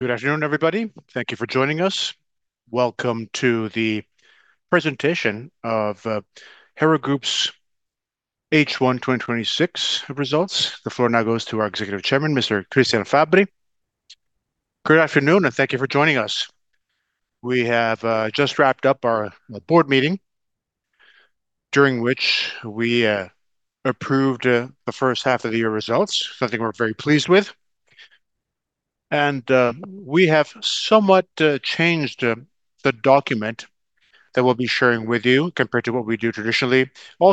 Good afternoon, everybody. Thank you for joining us. Welcome to the presentation of Hera Group's H1 2026 results. The floor now goes to our Executive Chairman, Mr. Cristian Fabbri. Good afternoon, and thank you for joining us. We have just wrapped up our board meeting, during which we approved the first half of the year results, something we're very pleased with. We have somewhat changed the document that we'll be sharing with you compared to what we do traditionally.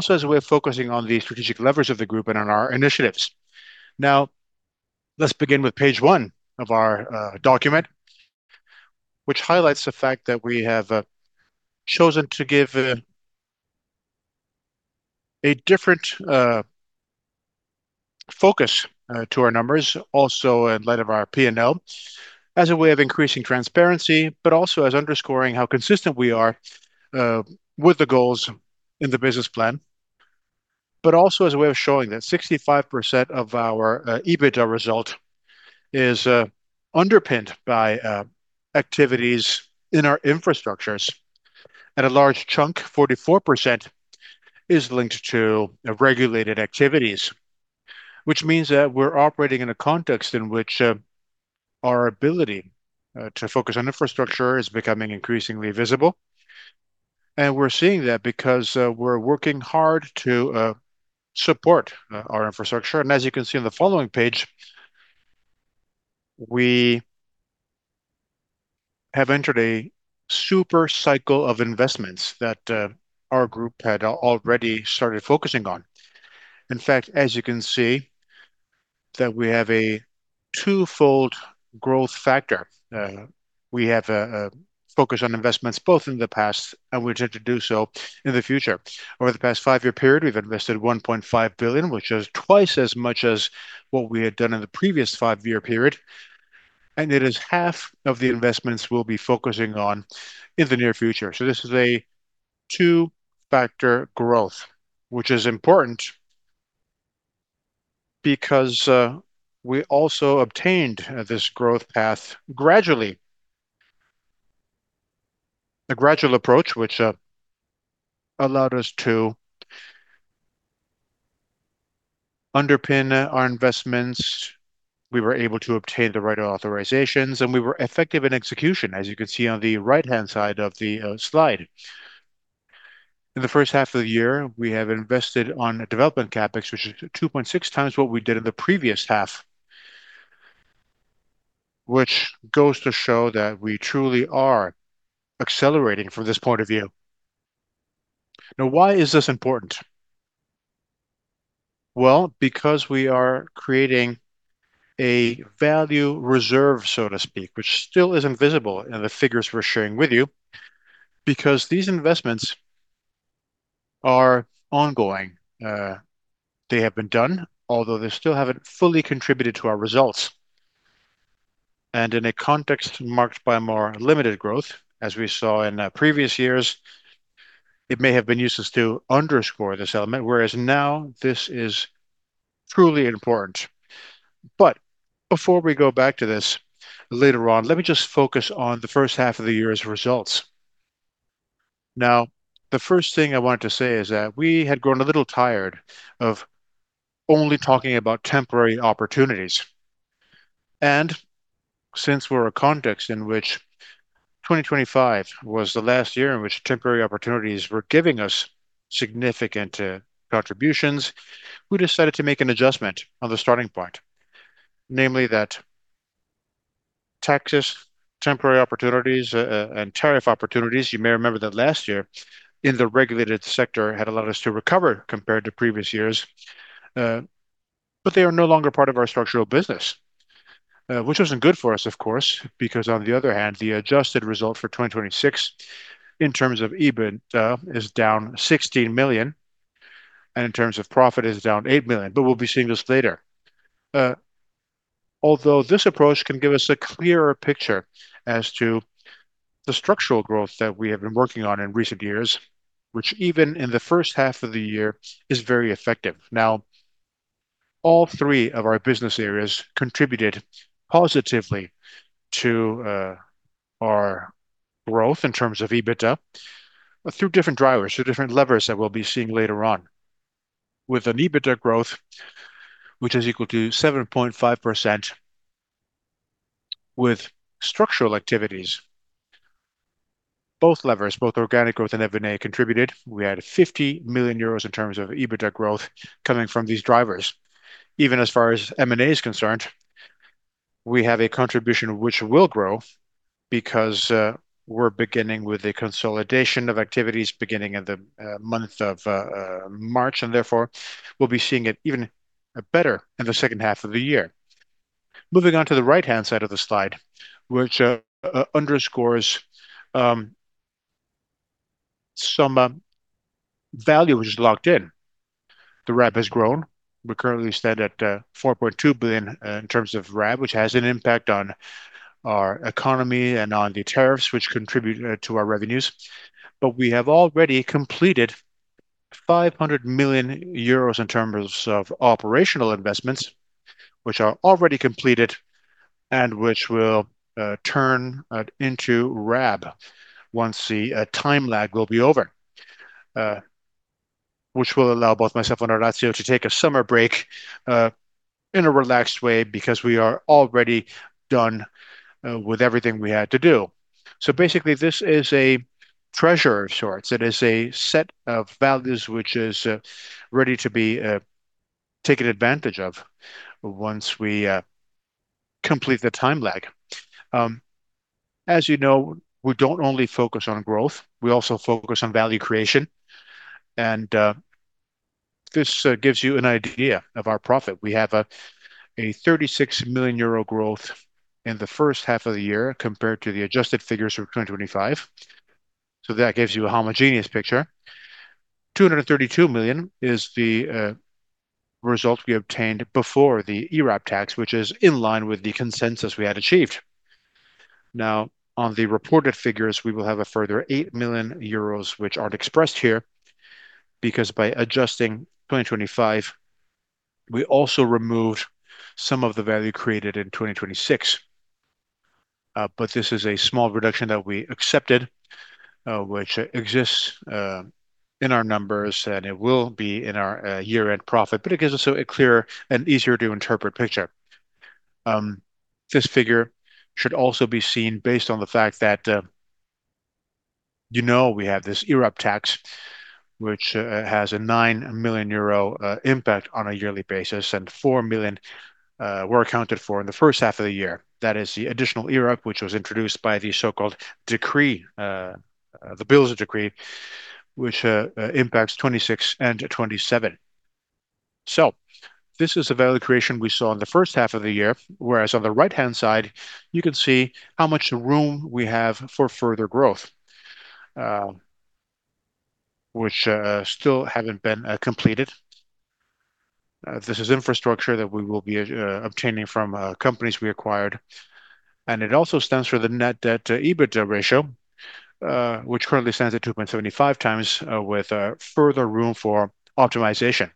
As a way of focusing on the strategic levers of the group and on our initiatives. Let's begin with page one of our document, which highlights the fact that we have chosen to give a different focus to our numbers, also in light of our P&L, as a way of increasing transparency, but also as underscoring how consistent we are with the goals in the business plan. As a way of showing that 65% of our EBITDA result is underpinned by activities in our infrastructures, and a large chunk, 44%, is linked to regulated activities. This means that we're operating in a context in which our ability to focus on infrastructure is becoming increasingly visible. We're seeing that because we're working hard to support our infrastructure. As you can see on the following page, we have entered a super cycle of investments that our group had already started focusing on. As you can see, that we have a 2x growth factor. We have a focus on investments both in the past and we intend to do so in the future. Over the past five-year period, we've invested 1.5 billion, which is twice as much as what we had done in the previous five-year period, and it is half of the investments we'll be focusing on in the near future. This is a two-factor growth, which is important because we also obtained this growth path gradually. A gradual approach which allowed us to underpin our investments. We were able to obtain the right authorizations, we were effective in execution, as you can see on the right-hand side of the slide. In the first half of the year, we have invested on development CapEx, which is 2.6x what we did in the previous half, which goes to show that we truly are accelerating from this point of view. Why is this important? Because we are creating a value reserve, so to speak, which still isn't visible in the figures we're sharing with you, because these investments are ongoing. They have been done, although they still haven't fully contributed to our results. In a context marked by more limited growth, as we saw in previous years, it may have been useless to underscore this element, whereas now this is truly important. Before we go back to this later on, let me just focus on the first half of the year's results. The first thing I wanted to say is that we had grown a little tired of only talking about temporary opportunities. Since we're a context in which 2025 was the last year in which temporary opportunities were giving us significant contributions, we decided to make an adjustment on the starting point. Namely that taxes, temporary opportunities, and tariff opportunities, you may remember that last year in the regulated sector, had allowed us to recover compared to previous years, but they are no longer part of our structural business. Which wasn't good for us, of course, because on the other hand, the adjusted result for 2026 in terms of EBITDA is down 16 million, and in terms of profit is down 8 million. We'll be seeing this later. Although this approach can give us a clearer picture as to the structural growth that we have been working on in recent years, which even in the first half of the year is very effective. All three of our business areas contributed positively to our growth in terms of EBITDA through different drivers, through different levers that we'll be seeing later on. With an EBITDA growth which is equal to 7.5% with structural activities. Both levers, both organic growth and M&A contributed. We had 50 million euros in terms of EBITDA growth coming from these drivers. Even as far as M&A is concerned, we have a contribution which will grow because we're beginning with a consolidation of activities beginning in the month of March. We'll be seeing it even better in the second half of the year. Moving on to the right-hand side of the slide, which underscores some value which is locked in. The RAB has grown. We currently stand at 4.2 billion in terms of RAB, which has an impact on our economy and on the tariffs which contribute to our revenues. We have already completed 500 million euros in terms of operational investments, which are already completed and which will turn into RAB once the time lag will be over, which will allow both myself and Orazio to take a summer break in a relaxed way because we are already done with everything we had to do. This is a treasure of sorts. It is a set of values which is ready to be taken advantage of once we complete the time lag. As you know, we don't only focus on growth, we also focus on value creation, and this gives you an idea of our profit. We have a 36 million euro growth in the first half of the year compared to the adjusted figures for 2025. That gives you a homogeneous picture. 232 million is the result we obtained before the IRAP tax, which is in line with the consensus we had achieved. On the reported figures, we will have a further 8 million euros which aren't expressed here, because by adjusting 2025, we also removed some of the value created in 2026. This is a small reduction that we accepted, which exists in our numbers, and it will be in our year-end profit. It gives us a clearer and easier to interpret picture. This figure should also be seen based on the fact that you know we have this IRAP tax, which has a 9 million euro impact on a yearly basis, and 4 million were accounted for in the first half of the year. That is the additional IRAP, which was introduced by the so-called decree, the bills of decree, which impacts 2026 and 2027. This is the value creation we saw in the first half of the year, whereas on the right-hand side, you can see how much room we have for further growth, which still haven't been completed. This is infrastructure that we will be obtaining from companies we acquired. It also stands for the net debt to EBITDA ratio, which currently stands at 2.75x with further room for optimization.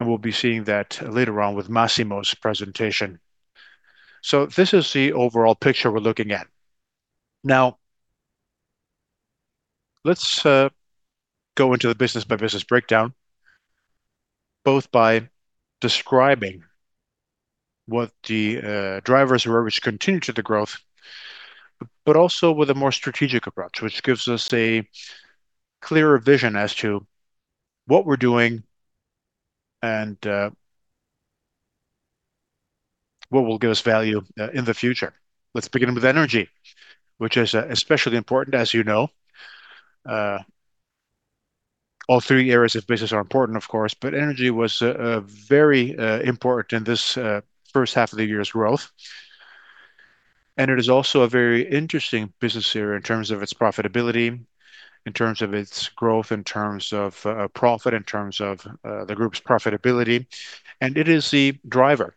We'll be seeing that later on with Massimo's presentation. This is the overall picture we're looking at. Let's go into the business-by-business breakdown, both by describing what the drivers were which contributed to the growth, but also with a more strategic approach, which gives us a clearer vision as to what we're doing and what will give us value in the future. Let's begin with energy, which is especially important, as you know. All three areas of business are important, of course, but energy was very important in this first half of the year's growth. It is also a very interesting business here in terms of its profitability, in terms of its growth, in terms of profit, in terms of the group's profitability. It is the driver,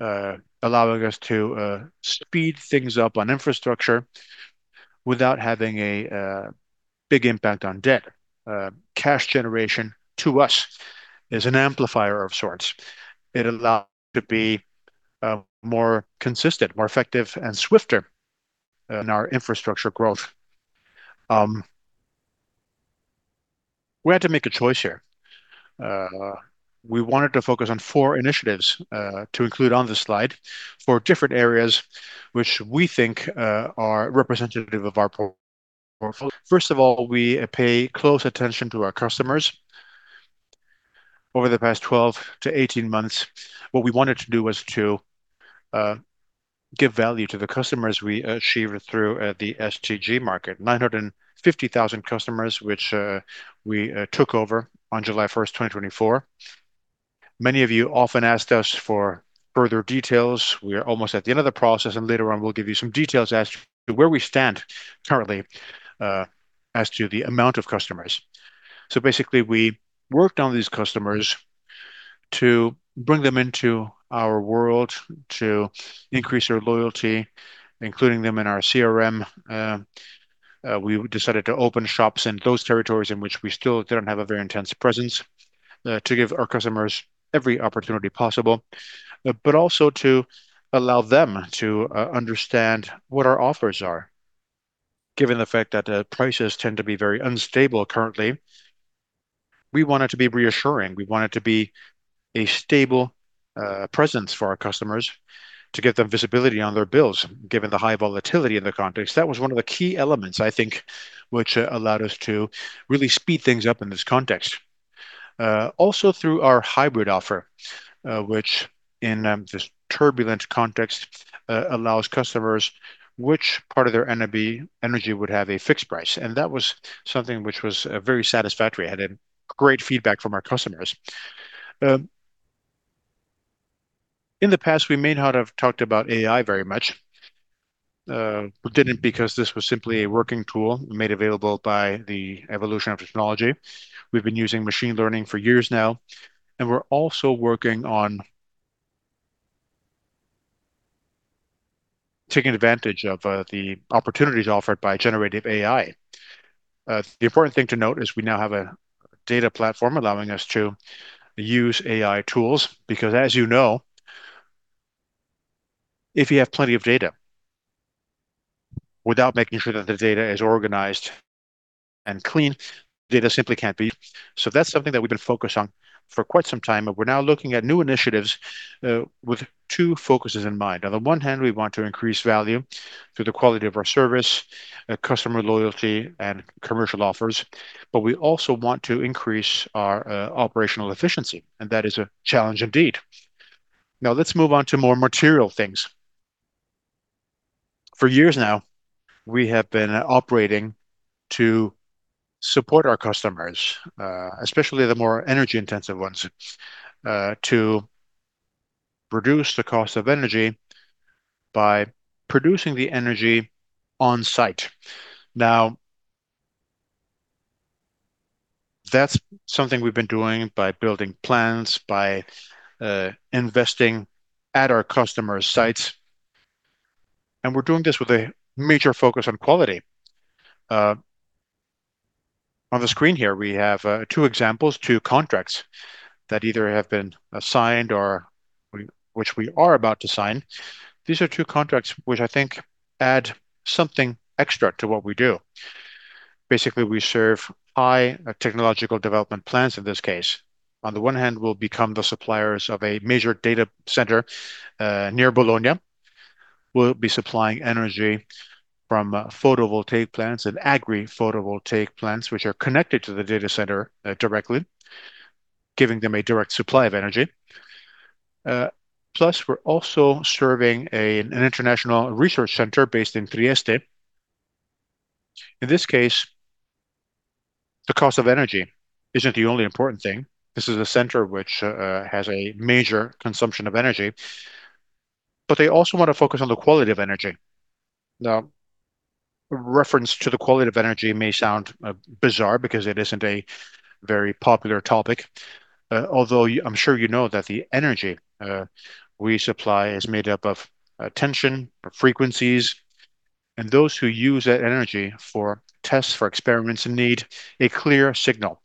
allowing us to speed things up on infrastructure without having a big impact on debt. Cash generation to us is an amplifier of sorts. It allows us to be more consistent, more effective, and swifter in our infrastructure growth. We had to make a choice here. We wanted to focus on four initiatives to include on this slide, four different areas which we think are representative of our portfolio. First of all, we pay close attention to our customers. Over the past 12-18 months, what we wanted to do was to give value to the customers we achieved through the STG market, 950,000 customers, which we took over on July 1st, 2024. Many of you often asked us for further details. We are almost at the end of the process, and later on, we'll give you some details as to where we stand currently as to the amount of customers. Basically, we worked on these customers to bring them into our world, to increase their loyalty, including them in our CRM. We decided to open shops in those territories in which we still don't have a very intense presence to give our customers every opportunity possible, but also to allow them to understand what our offers are. Given the fact that prices tend to be very unstable currently, we wanted to be reassuring. We wanted to be a stable presence for our customers to give them visibility on their bills, given the high volatility in the context. That was one of the key elements, I think, which allowed us to really speed things up in this context. Also through our hybrid offer, which in this turbulent context, allows customers which part of their energy would have a fixed price. That was something which was very satisfactory and had great feedback from our customers. In the past, we may not have talked about AI very much. We didn't because this was simply a working tool made available by the evolution of technology. We've been using machine learning for years now, and we're also working on taking advantage of the opportunities offered by generative AI. We now have a data platform allowing us to use AI tools, because as you know, if you have plenty of data, without making sure that the data is organized and clean, data simply can't be. That's something that we've been focused on for quite some time, but we're now looking at new initiatives, with two focuses in mind. On the one hand, we want to increase value through the quality of our service, customer loyalty, and commercial offers. We also want to increase our operational efficiency, and that is a challenge indeed. Let's move on to more material things. For years now, we have been operating to support our customers, especially the more energy-intensive ones, to reduce the cost of energy by producing the energy on-site. That's something we've been doing by building plants, by investing at our customers' sites. We're doing this with a major focus on quality. On the screen here, we have two examples, two contracts that either have been signed or which we are about to sign. These are two contracts which I think add something extra to what we do. Basically, we serve high technological development plans in this case. On the one hand, we'll become the suppliers of a major data center, near Bologna. We'll be supplying energy from photovoltaic plants and agri-photovoltaic plants, which are connected to the data center directly, giving them a direct supply of energy. We're also serving an international research center based in Trieste. In this case, the cost of energy isn't the only important thing. This is a center which has a major consumption of energy, but they also want to focus on the quality of energy. Reference to the quality of energy may sound bizarre because it isn't a very popular topic. I'm sure you know that the energy we supply is made up of tension, frequencies, and those who use that energy for tests, for experiments, need a clear signal,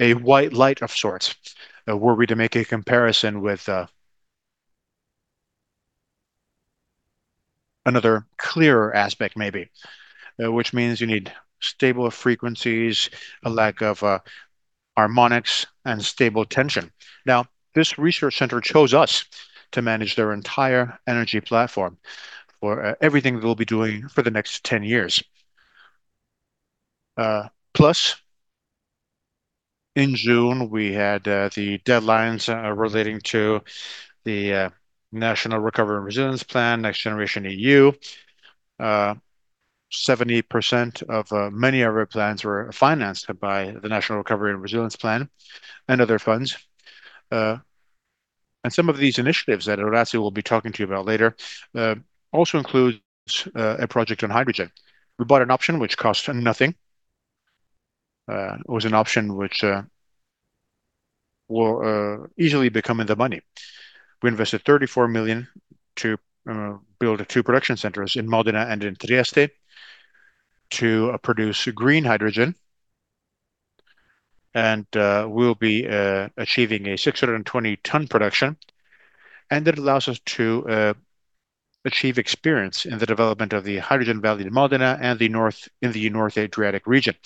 a white light of sorts. Were we to make a comparison with another clearer aspect, maybe. You need stable frequencies, a lack of harmonics, and stable tension. This research center chose us to manage their entire energy platform for everything that we'll be doing for the next 10 years. In June, we had the deadlines, relating to the National Recovery and Resilience Plan, NextGenerationEU. 70% of many of our plans were financed by the National Recovery and Resilience Plan and other funds. Some of these initiatives that Orazio will be talking to you about later, also includes a project on hydrogen. We bought an option which cost nothing. It was an option which will easily become in the money. We invested 34 million to build two production centers in Modena and in Trieste to produce green hydrogen, and we'll be achieving a 620-ton production. It allows us to achieve experience in the development of the Hydrogen Valley in Modena and in the North Adriatic region.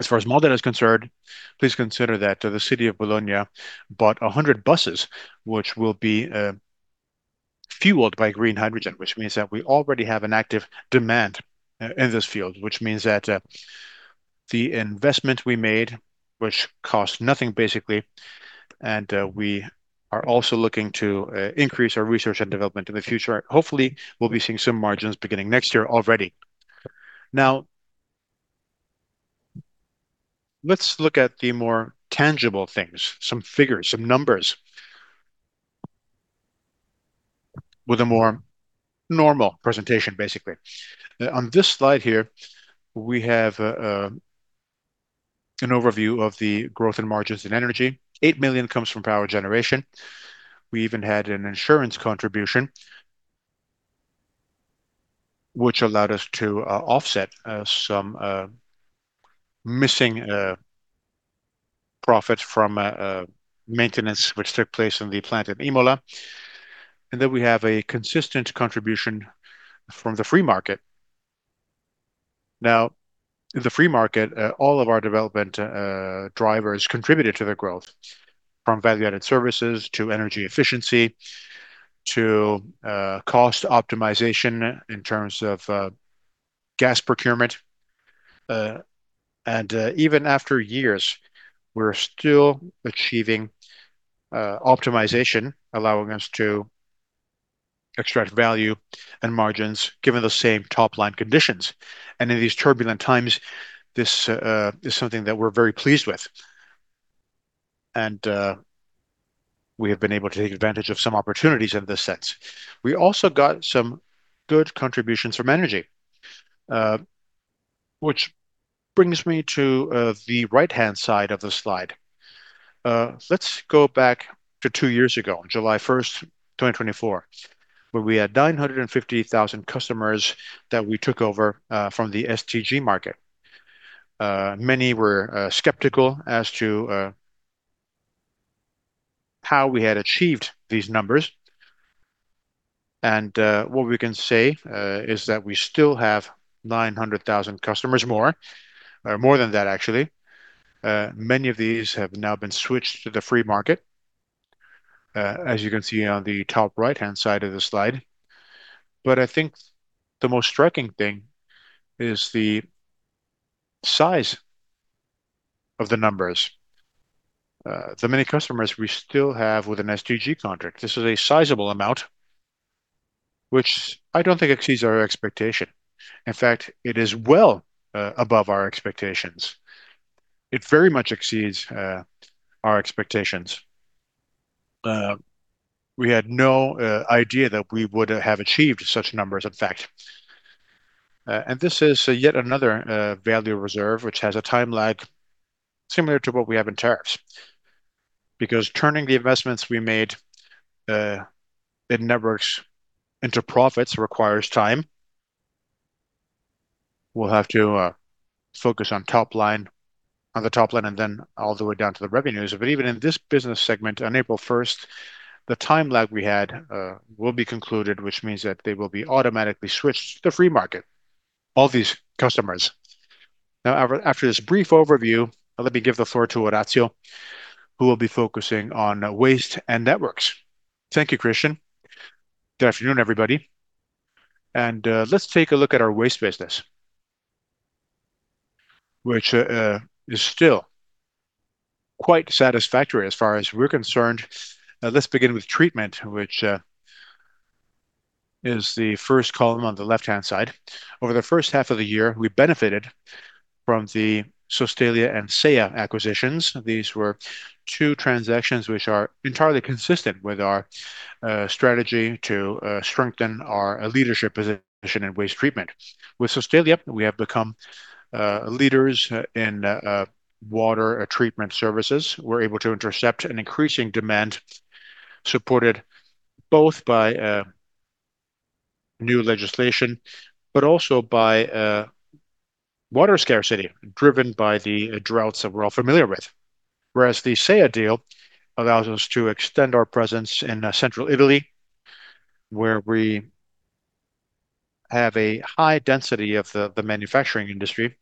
As far as Modena is concerned, please consider that the city of Bologna bought 100 buses, which will be fueled by green hydrogen, which means that we already have an active demand in this field, which means that the investment we made, which cost nothing, basically, we are also looking to increase our research and development in the future. Hopefully, we will be seeing some margins beginning next year already. Let's look at the more tangible things, some figures, some numbers with a more normal presentation, basically. On this slide here, we have an overview of the growth in margins and energy. 8 million comes from power generation. We even had an insurance contribution, which allowed us to offset some missing profits from maintenance which took place in the plant in Imola. Then we have a consistent contribution from the free market. In the free market, all of our development drivers contributed to the growth, from value-added services to energy efficiency, to cost optimization in terms of gas procurement. Even after years, we are still achieving optimization, allowing us to extract value and margins given the same top-line conditions. In these turbulent times, this is something that we are very pleased with. We have been able to take advantage of some opportunities in this sense. We also got some good contributions from energy, which brings me to the right-hand side of the slide. Let's go back to two years ago, on July 1st, 2024, where we had 950,000 customers that we took over from the STG market. Many were skeptical as to how we had achieved these numbers. What we can say is that we still have 900,000 customers more, or more than that, actually. Many of these have now been switched to the free market, as you can see on the top right-hand side of the slide. I think the most striking thing is the size of the numbers. The many customers we still have with an STG contract, this is a sizable amount, which I don't think exceeds our expectation. In fact, it is well above our expectations. It very much exceeds our expectations. We had no idea that we would have achieved such numbers, in fact. This is yet another value reserve, which has a time lag similar to what we have in tariffs. Because turning the investments we made in networks into profits requires time. We will have to focus on the top line and then all the way down to the revenues. Even in this business segment, on April 1st, the time lag we had will be concluded, which means that they will be automatically switched to the free market, all these customers. After this brief overview, let me give the floor to Orazio, who will be focusing on waste and networks. Thank you, Cristian. Good afternoon, everybody. Let's take a look at our waste business, which is still quite satisfactory as far as we are concerned. Let's begin with treatment, which is the first column on the left-hand side. Over the first half of the year, we benefited from the Sostelia and SEA acquisitions. These were two transactions which are entirely consistent with our strategy to strengthen our leadership position in waste treatment. With Sostelia, we have become leaders in water treatment services. We're able to intercept an increasing demand, supported both by new legislation, but also by water scarcity driven by the droughts that we're all familiar with. The SEA deal allows us to extend our presence in central Italy, where we have a high density of the manufacturing industry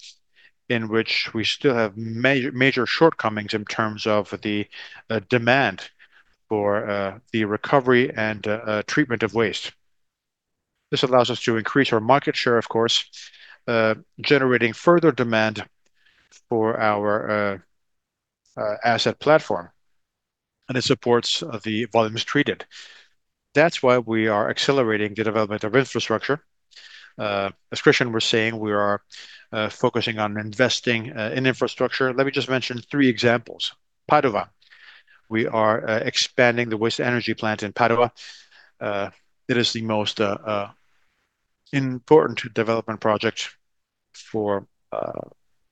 in which we still have major shortcomings in terms of the demand for the recovery and treatment of waste. This allows us to increase our market share, of course, generating further demand for our asset platform, and it supports the volumes treated. That's why we are accelerating the development of infrastructure. As Cristian was saying, we are focusing on investing in infrastructure. Let me just mention three examples. Padua. We are expanding the waste-to-energy plant in Padua. It is the most important development project for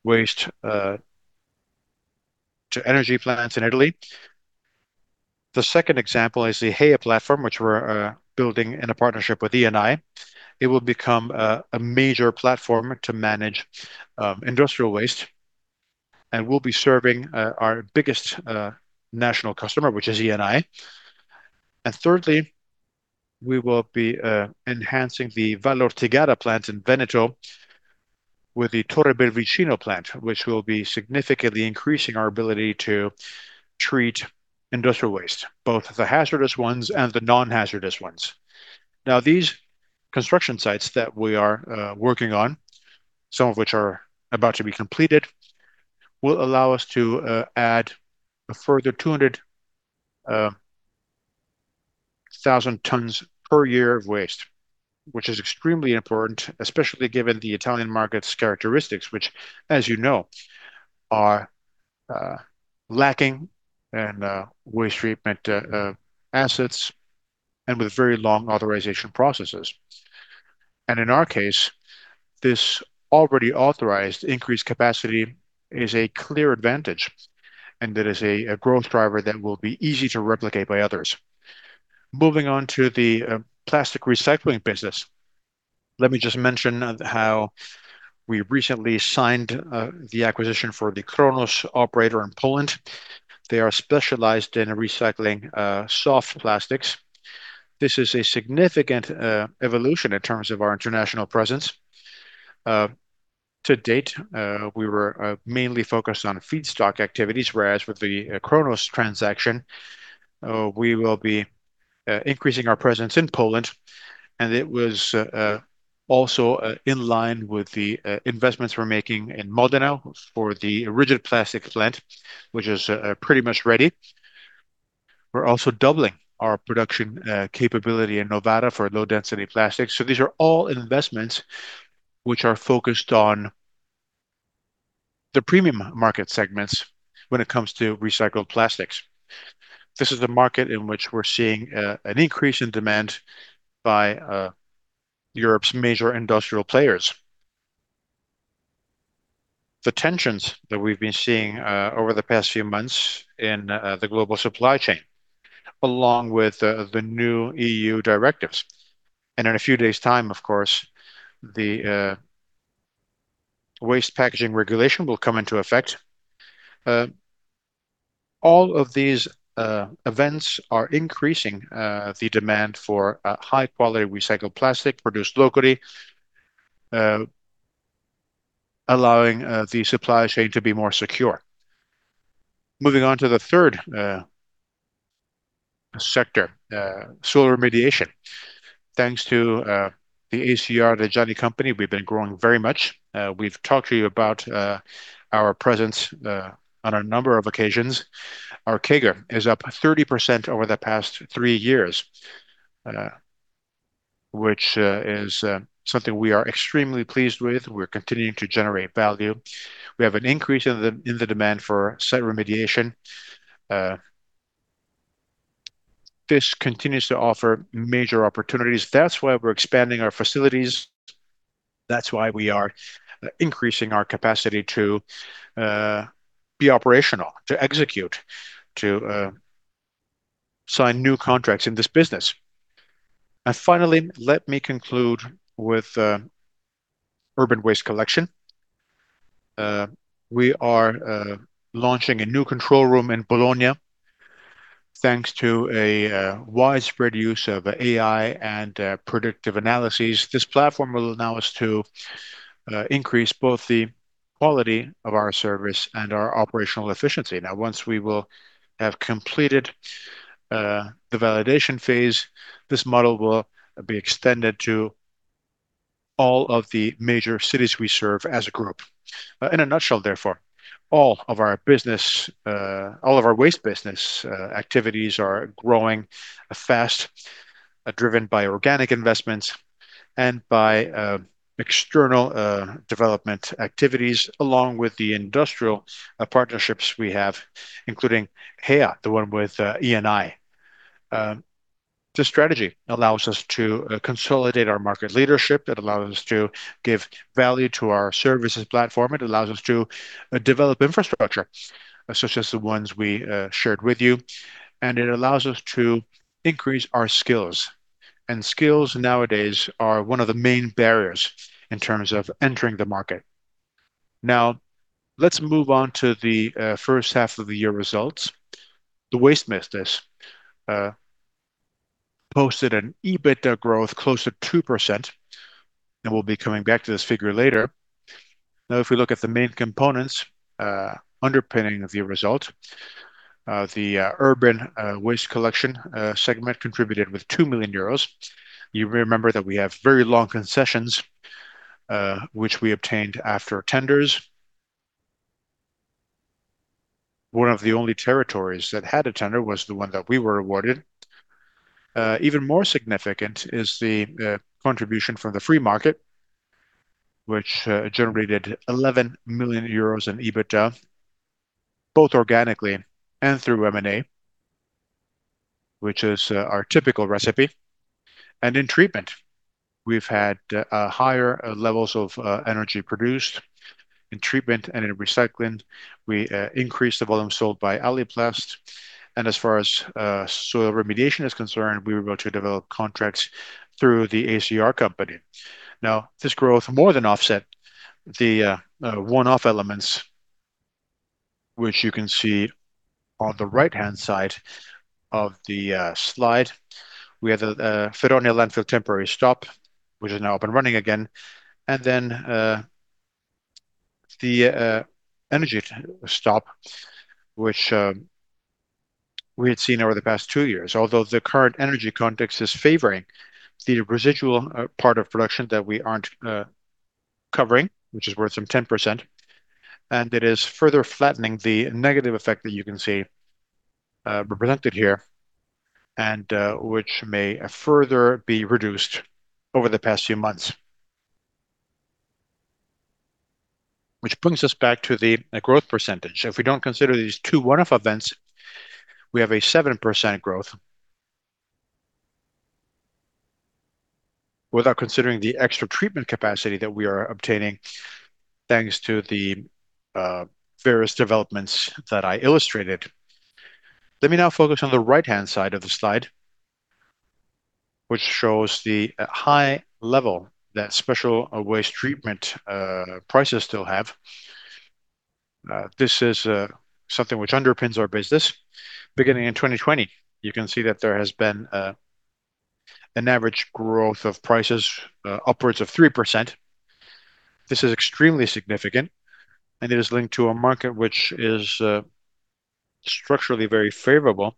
waste-to-energy plants in Italy. The second example is the HEA platform, which we're building in a partnership with Eni. It will become a major platform to manage industrial waste, and we'll be serving our biggest national customer, which is Eni. Thirdly, we will be enhancing the Vallortigara plant in Veneto with the Torre Boldone plant, which will be significantly increasing our ability to treat industrial waste, both the hazardous ones and the non-hazardous ones. These construction sites that we are working on, some of which are about to be completed, will allow us to add a further 200,000 tons per year of waste, which is extremely important, especially given the Italian market's characteristics, which, as you know, are lacking in waste treatment assets and with very long authorization processes. In our case, this already authorized increased capacity is a clear advantage, and it is a growth driver that will be easy to replicate by others. Moving on to the plastic recycling business, let me just mention how we recently signed the acquisition for the Kronos Polymer Polska operator in Poland. They are specialized in recycling soft plastics. This is a significant evolution in terms of our international presence. To date, we were mainly focused on feedstock activities, whereas with the Kronos Polymer Polska transaction, we will be increasing our presence in Poland, and it was also in line with the investments we're making in Modena for the rigid plastic plant, which is pretty much ready. We're also doubling our production capability in Novara for low-density plastics. These are all investments which are focused on the premium market segments when it comes to recycled plastics. This is the market in which we're seeing an increase in demand by Europe's major industrial players. The tensions that we've been seeing over the past few months in the global supply chain, along with the new EU directives, in a few days time, of course, the waste packaging regulation will come into effect. All of these events are increasing the demand for high-quality recycled plastic produced locally, allowing the supply chain to be more secure. Moving on to the third sector, soil remediation. Thanks to the A.C.R. di Reggiani Albertino S.p.A. company, we've been growing very much. We've talked to you about our presence on a number of occasions. Our CAGR is up 30% over the past three years, which is something we are extremely pleased with. We're continuing to generate value. We have an increase in the demand for site remediation. This continues to offer major opportunities. That's why we're expanding our facilities. That's why we are increasing our capacity to be operational, to execute, to sign new contracts in this business. Finally, let me conclude with urban waste collection. We are launching a new control room in Bologna thanks to a widespread use of AI and predictive analyses. This platform will allow us to increase both the quality of our service and our operational efficiency. Now, once we will have completed the validation phase, this model will be extended to all of the major cities we serve as a group. In a nutshell, therefore, all of our waste business activities are growing fast, driven by organic investments and by external development activities, along with the industrial partnerships we have, including HEA, the one with Eni. This strategy allows us to consolidate our market leadership. It allows us to give value to our services platform. It allows us to develop infrastructure, such as the ones we shared with you, it allows us to increase our skills nowadays are one of the main barriers in terms of entering the market. Let's move on to the first half of the year results. The waste business posted an EBITDA growth close to 2%, we'll be coming back to this figure later. If we look at the main components underpinning the result, the urban waste collection segment contributed with 2 million euros. You remember that we have very long concessions, which we obtained after tenders. One of the only territories that had a tender was the one that we were awarded. Even more significant is the contribution from the free market, which generated 11 million euros in EBITDA, both organically and through M&A, which is our typical recipe. In treatment, we've had higher levels of energy produced in treatment and in recycling. We increased the volume sold by Aliplast, as far as soil remediation is concerned, we were able to develop contracts through the ACR company. This growth more than offset the one-off elements which you can see on the right-hand side of the slide. We had a Feronia landfill temporary stop, which has now up and running again, then the energy stop, which we had seen over the past two years. Although the current energy context is favoring the residual part of production that we aren't covering, which is worth some 10%, it is further flattening the negative effect that you can see represented here and which may further be reduced over the past few months. This brings us back to the growth percentage. If we don't consider these two one-off events, we have a 7% growth without considering the extra treatment capacity that we are obtaining thanks to the various developments that I illustrated. Let me now focus on the right-hand side of the slide, which shows the high level that special waste treatment prices still have. This is something which underpins our business. Beginning in 2020, you can see that there has been an average growth of prices upwards of 3%. This is extremely significant, it is linked to a market which is structurally very favorable,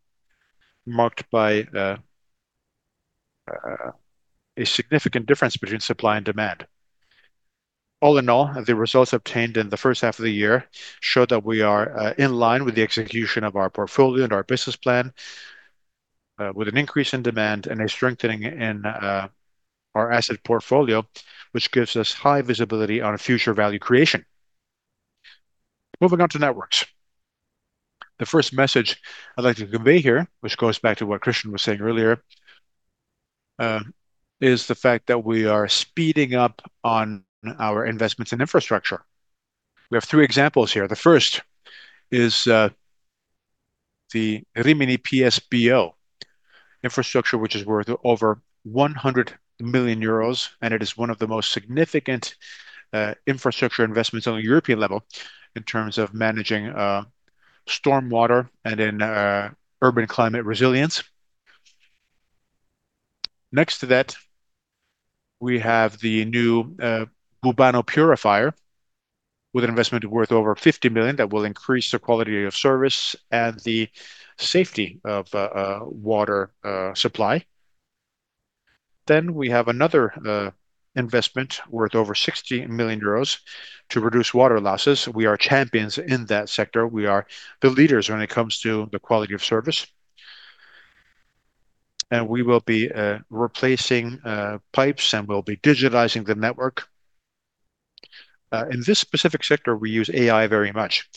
marked by a significant difference between supply and demand. All in all, the results obtained in the first half of the year show that we are in line with the execution of our portfolio and our business plan. With an increase in demand and a strengthening in our asset portfolio, which gives us high visibility on future value creation. Moving on to networks. The first message I'd like to convey here, which goes back to what Cristian was saying earlier, is the fact that we are speeding up on our investments in infrastructure. We have three examples here. The first is the Rimini PSBO infrastructure, which is worth over 100 million euros, and it is one of the most significant infrastructure investments on a European level in terms of managing storm water and in urban climate resilience. Next to that, we have the new Bubano purifier with an investment worth over 50 million that will increase the quality of service and the safety of water supply. We have another investment worth over 60 million euros to reduce water losses. We are champions in that sector. We are the leaders when it comes to the quality of service. We will be replacing pipes, and we'll be digitizing the network. In this specific sector, we use AI very much.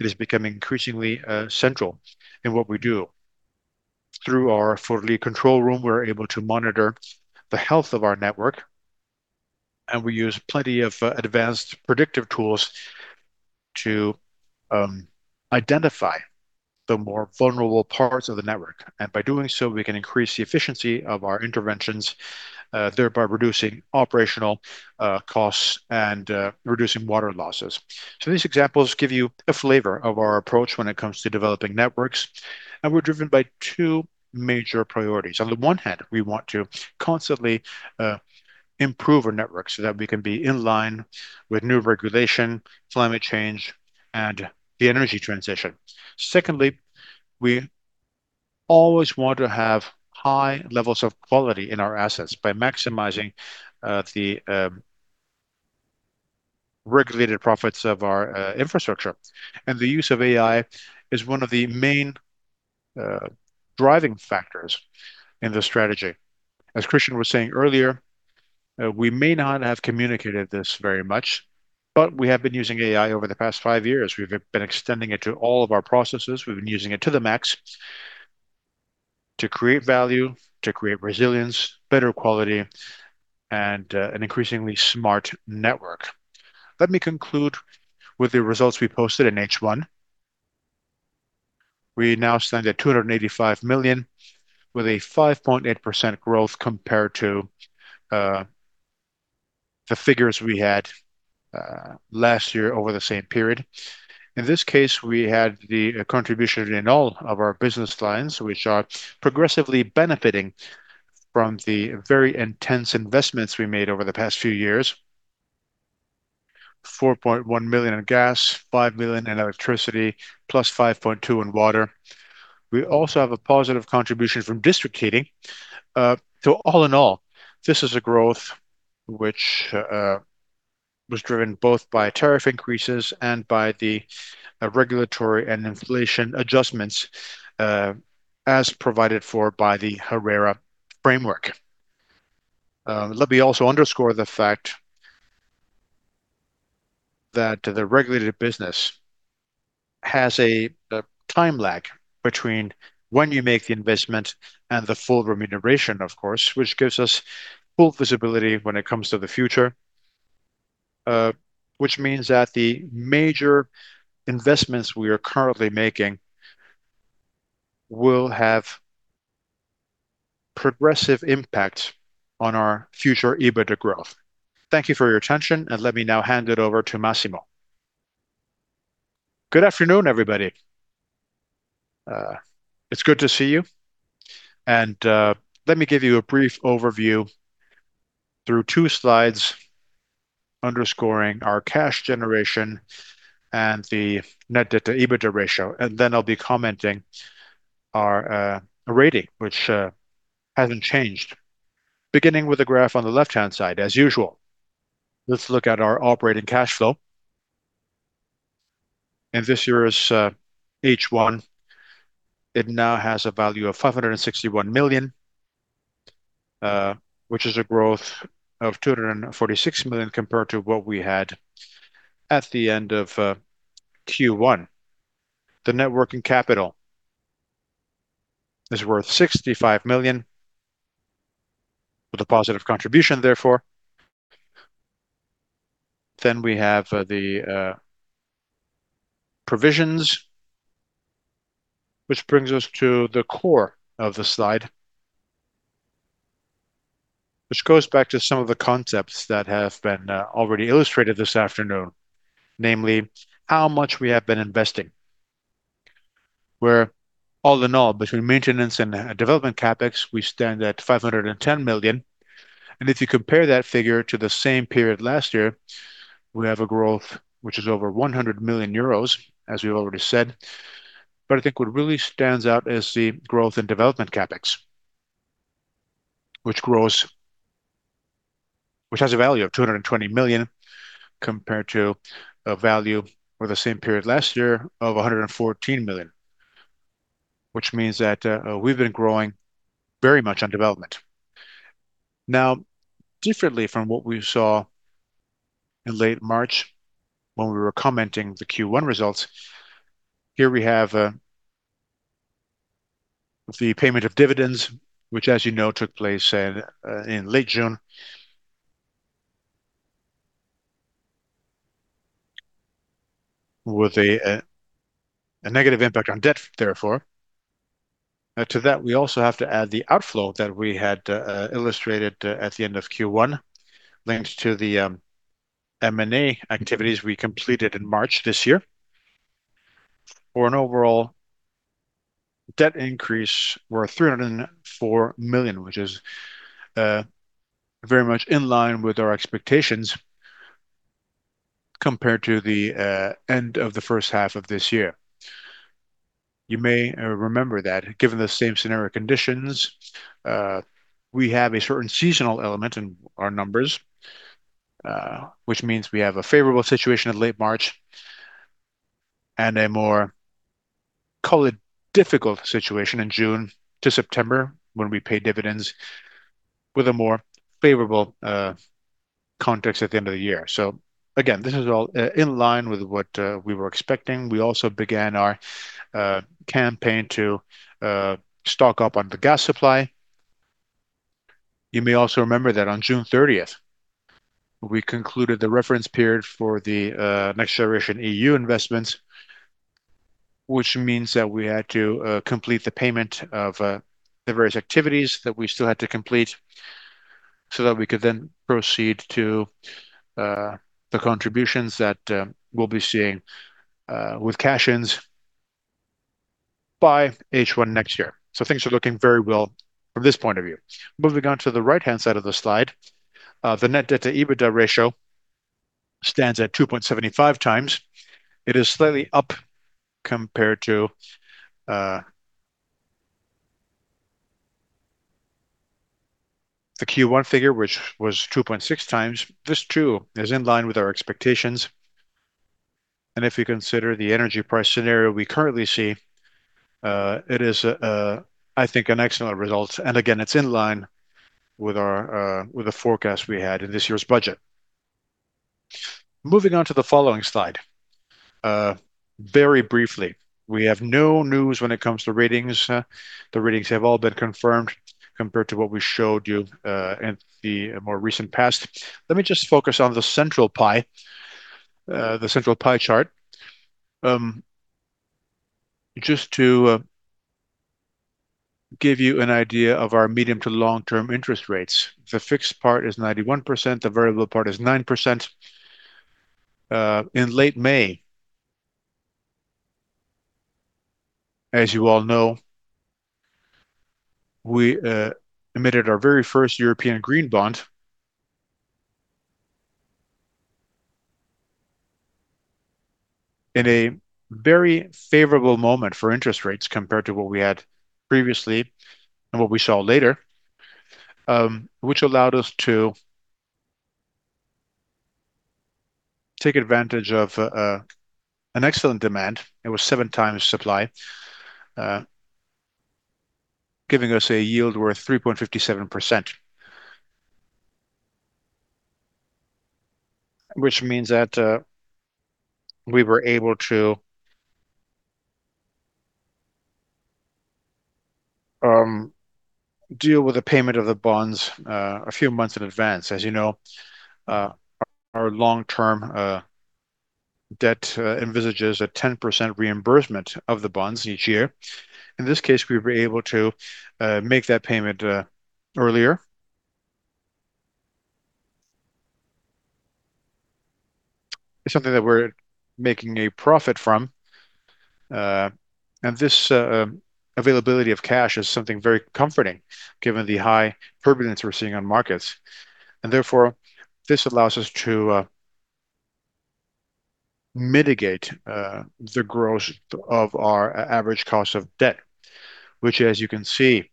It is becoming increasingly central in what we do. Through our [Forli] control room, we're able to monitor the health of our network, and we use plenty of advanced predictive tools to identify the more vulnerable parts of the network. By doing so, we can increase the efficiency of our interventions, thereby reducing operational costs and reducing water losses. These examples give you a flavor of our approach when it comes to developing networks, and we're driven by two major priorities. On the one hand, we want to constantly improve our network so that we can be in line with new regulation, climate change, and the energy transition. Secondly, we always want to have high levels of quality in our assets by maximizing the regulated profits of our infrastructure. The use of AI is one of the main driving factors in this strategy. As Cristian was saying earlier, we may not have communicated this very much, but we have been using AI over the past five years. We've been extending it to all of our processes. We've been using it to the max to create value, to create resilience, better quality, and an increasingly smart network. Let me conclude with the results we posted in H1. We now stand at 285 million, with a 5.8% growth compared to the figures we had last year over the same period. In this case, we had the contribution in all of our business lines, which are progressively benefiting from the very intense investments we made over the past few years, 4.1 million in gas, 5 million in electricity, plus 5.2 in water. We also have a positive contribution from district heating. All in all, this is a growth which was driven both by tariff increases and by the regulatory and inflation adjustments, as provided for by the ARERA framework. Let me also underscore the fact that the regulated business has a time lag between when you make the investment and the full remuneration, of course, which gives us full visibility when it comes to the future. Which means that the major investments we are currently making will have progressive impact on our future EBITDA growth. Thank you for your attention, and let me now hand it over to Massimo. Good afternoon, everybody. It's good to see you. Let me give you a brief overview through two slides underscoring our cash generation and the net debt-to-EBITDA ratio. Then I'll be commenting our rating, which hasn't changed. Beginning with a graph on the left-hand side as usual. Let's look at our operating cash flow. In this year's H1, it now has a value of 561 million, which is a growth of 246 million compared to what we had at the end of Q1. The networking capital is worth 65 million, with a positive contribution, therefore. We have the provisions, which brings us to the core of the slide, which goes back to some of the concepts that have been already illustrated this afternoon, namely, how much we have been investing, where all in all, between maintenance and development CapEx, we stand at 510 million. If you compare that figure to the same period last year, we have a growth which is over 100 million euros, as we've already said. I think what really stands out is the growth in development CapEx, which has a value of 220 million, compared to a value for the same period last year of 114 million. Which means that we've been growing very much on development. Now, differently from what we saw in late March when we were commenting the Q1 results, here we have the payment of dividends, which, as you know, took place in late June, with a negative impact on debt, therefore. To that, we also have to add the outflow that we had illustrated at the end of Q1, linked to the M&A activities we completed in March this year. For an overall debt increase worth 304 million, which is very much in line with our expectations compared to the end of the first half of this year. You may remember that given the same scenario conditions, we have a certain seasonal element in our numbers, which means we have a favorable situation in late March and a more, call it difficult situation in June to September, when we pay dividends with a more favorable context at the end of the year. Again, this is all in line with what we were expecting. We also began our campaign to stock up on the gas supply. You may also remember that on June 30th, we concluded the reference period for the NextGenerationEU investments, which means that we had to complete the payment of the various activities that we still had to complete, so that we could then proceed to the contributions that we'll be seeing with cash-ins by H1 next year. Things are looking very well from this point of view. Moving on to the right-hand side of the slide. The net debt-to-EBITDA ratio stands at 2.75x. It is slightly up compared to the Q1 figure, which was 2.6x. This too is in line with our expectations. If you consider the energy price scenario we currently see, it is, I think, an excellent result. Again, it's in line with the forecast we had in this year's budget. Moving on to the following slide. Very briefly, we have no news when it comes to ratings. The ratings have all been confirmed compared to what we showed you in the more recent past. Let me just focus on the central pie chart, just to give you an idea of our medium to long-term interest rates. The fixed part is 91%, the variable part is 9%. In late May, as you all know, we emitted our very first European green bond in a very favorable moment for interest rates compared to what we had previously and what we saw later, which allowed us to take advantage of an excellent demand. It was seven times supply, giving us a yield worth 3.57%, which means that we were able to deal with the payment of the bonds a few months in advance. As you know, our long-term debt envisages a 10% reimbursement of the bonds each year. In this case, we were able to make that payment earlier. It's something that we're making a profit from. This availability of cash is something very comforting given the high turbulence we're seeing on markets. Therefore, this allows us to mitigate the growth of our average cost of debt, which, as you can see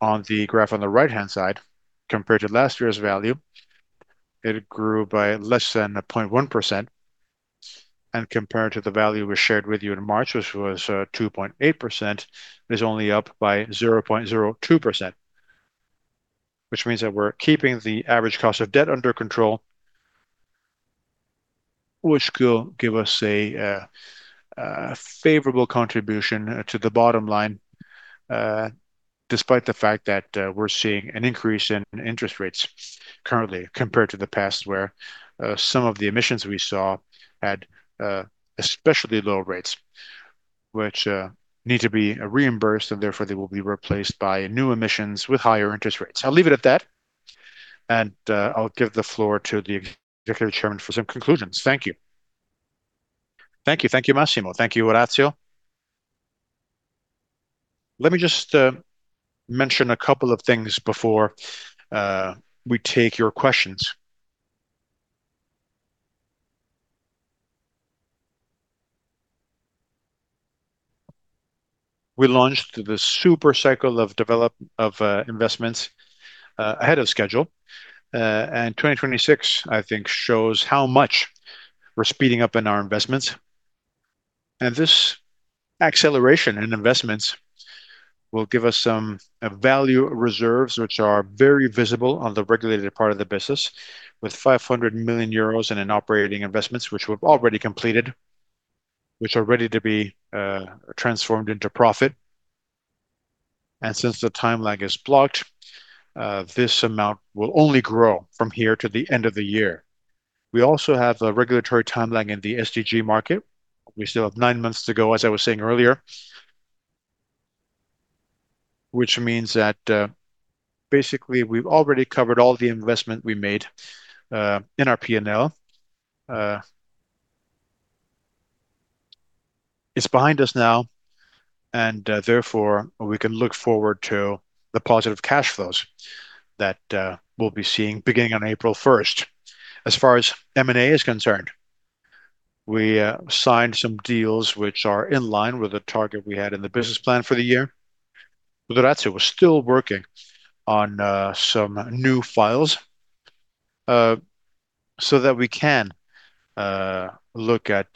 on the graph on the right-hand side, compared to last year's value, it grew by less than a 0.1%. Compared to the value we shared with you in March, which was 2.8%, it is only up by 0.02%, which means that we're keeping the average cost of debt under control, which will give us a favorable contribution to the bottom line, despite the fact that we're seeing an increase in interest rates currently compared to the past, where some of the emissions we saw had especially low rates, which need to be reimbursed, and therefore they will be replaced by new emissions with higher interest rates. I'll leave it at that, and I'll give the floor to the Executive Chairman for some conclusions. Thank you. Thank you, Massimo. Thank you, Orazio. Let me just mention a couple of things before we take your questions. We launched the super cycle of investments ahead of schedule. 2026, I think shows how much we're speeding up in our investments. This acceleration in investments will give us some value reserves, which are very visible on the regulated part of the business, with 500 million euros in operating investments, which we've already completed, which are ready to be transformed into profit. Since the timeline is blocked, this amount will only grow from here to the end of the year. We also have a regulatory timeline in the STG market. We still have nine months to go, as I was saying earlier, which means that basically we've already covered all the investment we made in our P&L. It's behind us now, therefore we can look forward to the positive cash flows that we'll be seeing beginning on April 1st. As far as M&A is concerned, we signed some deals which are in line with the target we had in the business plan for the year. Federazione was still working on some new files so that we can look at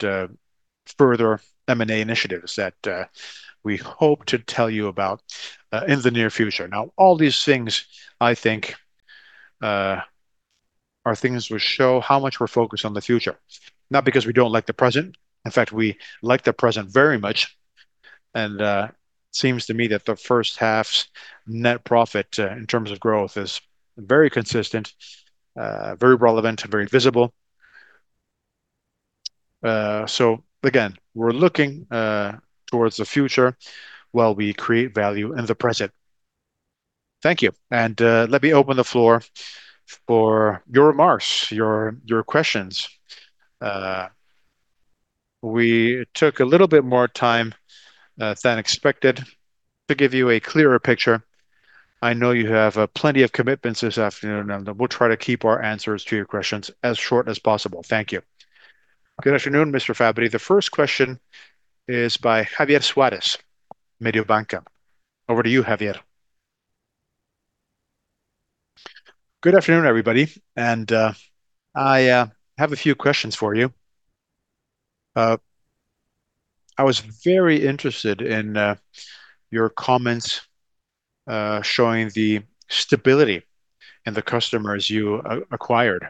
further M&A initiatives that we hope to tell you about in the near future. All these things, I think, are things which show how much we're focused on the future. Not because we don't like the present. In fact, we like the present very much, and it seems to me that the first half's net profit in terms of growth is very consistent, very relevant, and very visible. Again, we're looking towards the future while we create value in the present. Thank you. Let me open the floor for your remarks, your questions. We took a little bit more time than expected to give you a clearer picture. I know you have plenty of commitments this afternoon. We'll try to keep our answers to your questions as short as possible. Thank you. Good afternoon, Mr. Fabbri. The first question is by Javier Suárez, Mediobanca. Over to you, Javier. Good afternoon, everybody. I have a few questions for you. I was very interested in your comments showing the stability in the customers you acquired.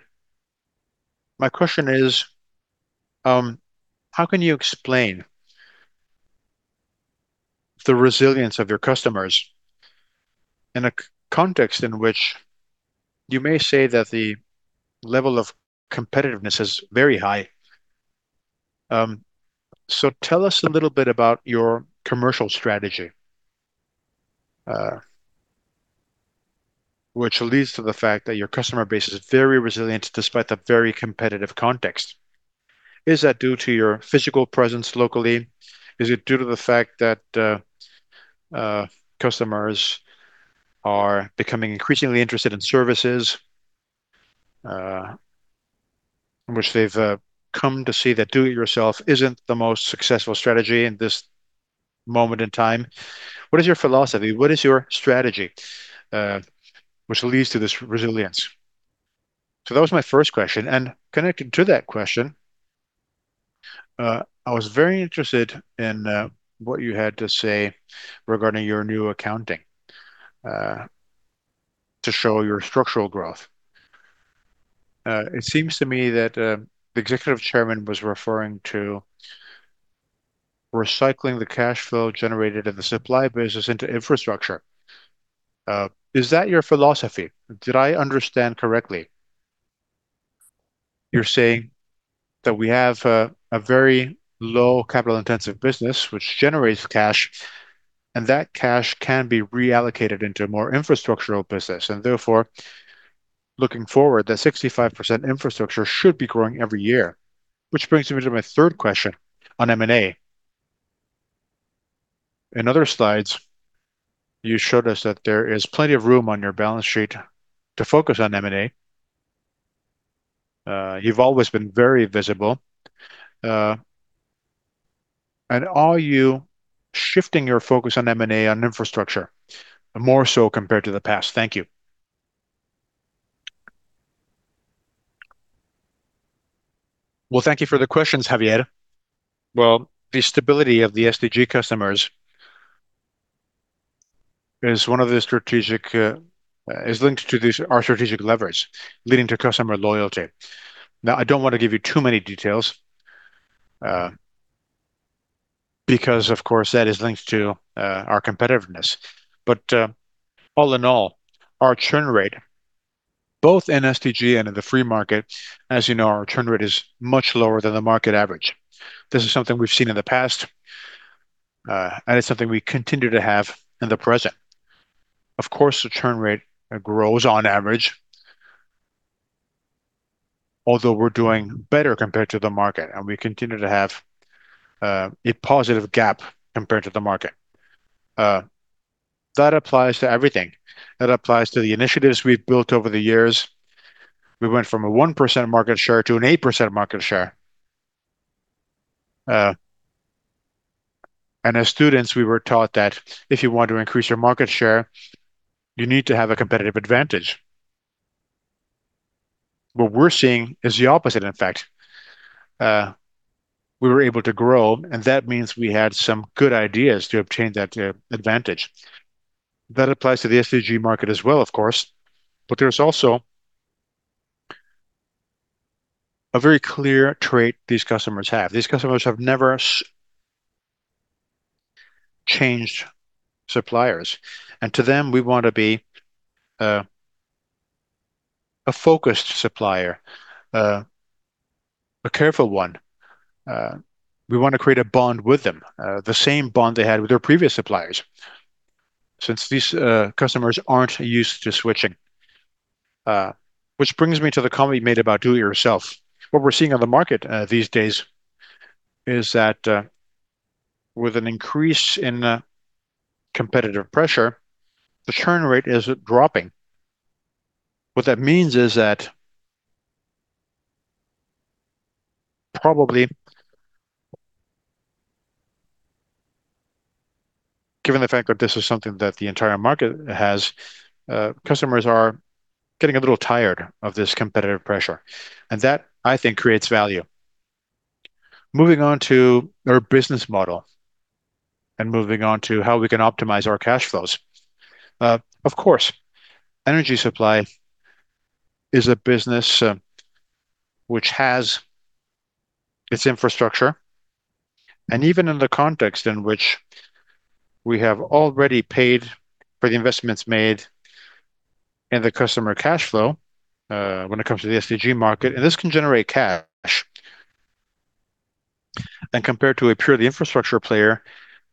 My question is, how can you explain the resilience of your customers in a context in which you may say that the level of competitiveness is very high? Tell us a little bit about your commercial strategy, which leads to the fact that your customer base is very resilient despite the very competitive context. Is that due to your physical presence locally? Is it due to the fact that customers are becoming increasingly interested in services, in which they've come to see that do-it-yourself isn't the most successful strategy in this moment in time? What is your philosophy? What is your strategy which leads to this resilience? That was my first question. Connected to that question, I was very interested in what you had to say regarding your new accounting to show your structural growth. It seems to me that the Executive Chairman was referring to recycling the cash flow generated in the supply business into infrastructure. Is that your philosophy? Did I understand correctly? You're saying that we have a very low capital-intensive business which generates cash, and that cash can be reallocated into a more infrastructural business, and therefore, looking forward, that 65% infrastructure should be growing every year. Which brings me to my third question on M&A. In other slides, you showed us that there is plenty of room on your balance sheet to focus on M&A. You've always been very visible. Are you shifting your focus on M&A on infrastructure more so compared to the past? Thank you. Thank you for the questions, Javier. The stability of the STG customers is linked to our strategic leverage, leading to customer loyalty. I don't want to give you too many details, because of course that is linked to our competitiveness. All in all, our churn rate, both in STG and in the free market, as you know, our churn rate is much lower than the market average. This is something we've seen in the past. It's something we continue to have in the present. Of course, the churn rate grows on average, although we're doing better compared to the market. We continue to have a positive gap compared to the market. That applies to everything. That applies to the initiatives we've built over the years. We went from a 1% market share to an 8% market share. As students, we were taught that if you want to increase your market share, you need to have a competitive advantage. What we're seeing is the opposite, in fact. We were able to grow, and that means we had some good ideas to obtain that advantage. That applies to the STG market as well, of course, but there's also a very clear trait these customers have. These customers have never changed suppliers, and to them, we want to be a focused supplier, a careful one. We want to create a bond with them, the same bond they had with their previous suppliers since these customers aren't used to switching. Which brings me to the comment you made about do-it-yourself. What we're seeing on the market these days is that with an increase in competitive pressure, the churn rate is dropping. What that means is that probably, given the fact that this is something that the entire market has, customers are getting a little tired of this competitive pressure, and that, I think, creates value. Moving on to our business model and moving on to how we can optimize our cash flows. Of course, energy supply is a business which has its infrastructure, and even in the context in which we have already paid for the investments made in the customer cash flow, when it comes to the STG market, and this can generate cash. Compared to a purely infrastructure player,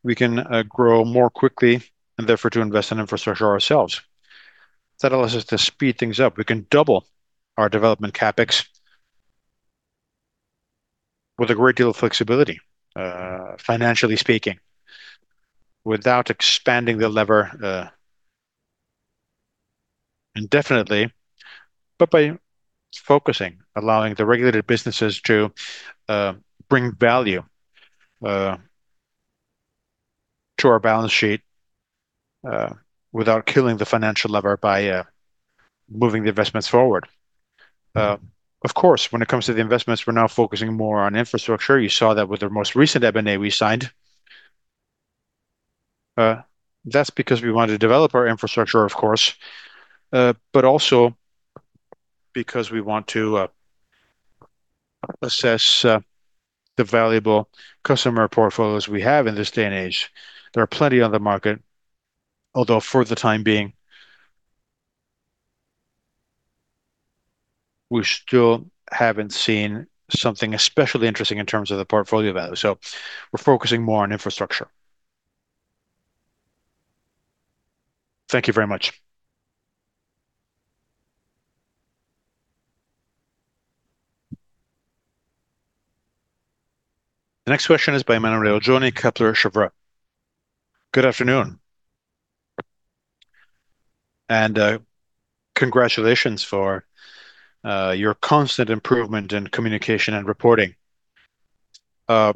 we can grow more quickly and therefore to invest in infrastructure ourselves. That allows us to speed things up. We can double our development CapEx with a great deal of flexibility, financially speaking, without expanding the lever indefinitely, but by focusing, allowing the regulated businesses to bring value to our balance sheet without killing the financial lever by moving the investments forward. Of course, when it comes to the investments, we're now focusing more on infrastructure. You saw that with our most recent M&A we signed. That's because we want to develop our infrastructure, of course, but also because we want to assess the valuable customer portfolios we have in this day and age. There are plenty on the market, although for the time being, we still haven't seen something especially interesting in terms of the portfolio value, so we're focusing more on infrastructure. Thank you very much. The next question is by Emanuele Oggioni, Kepler Cheuvreux. Good afternoon, and congratulations for your constant improvement in communication and reporting. My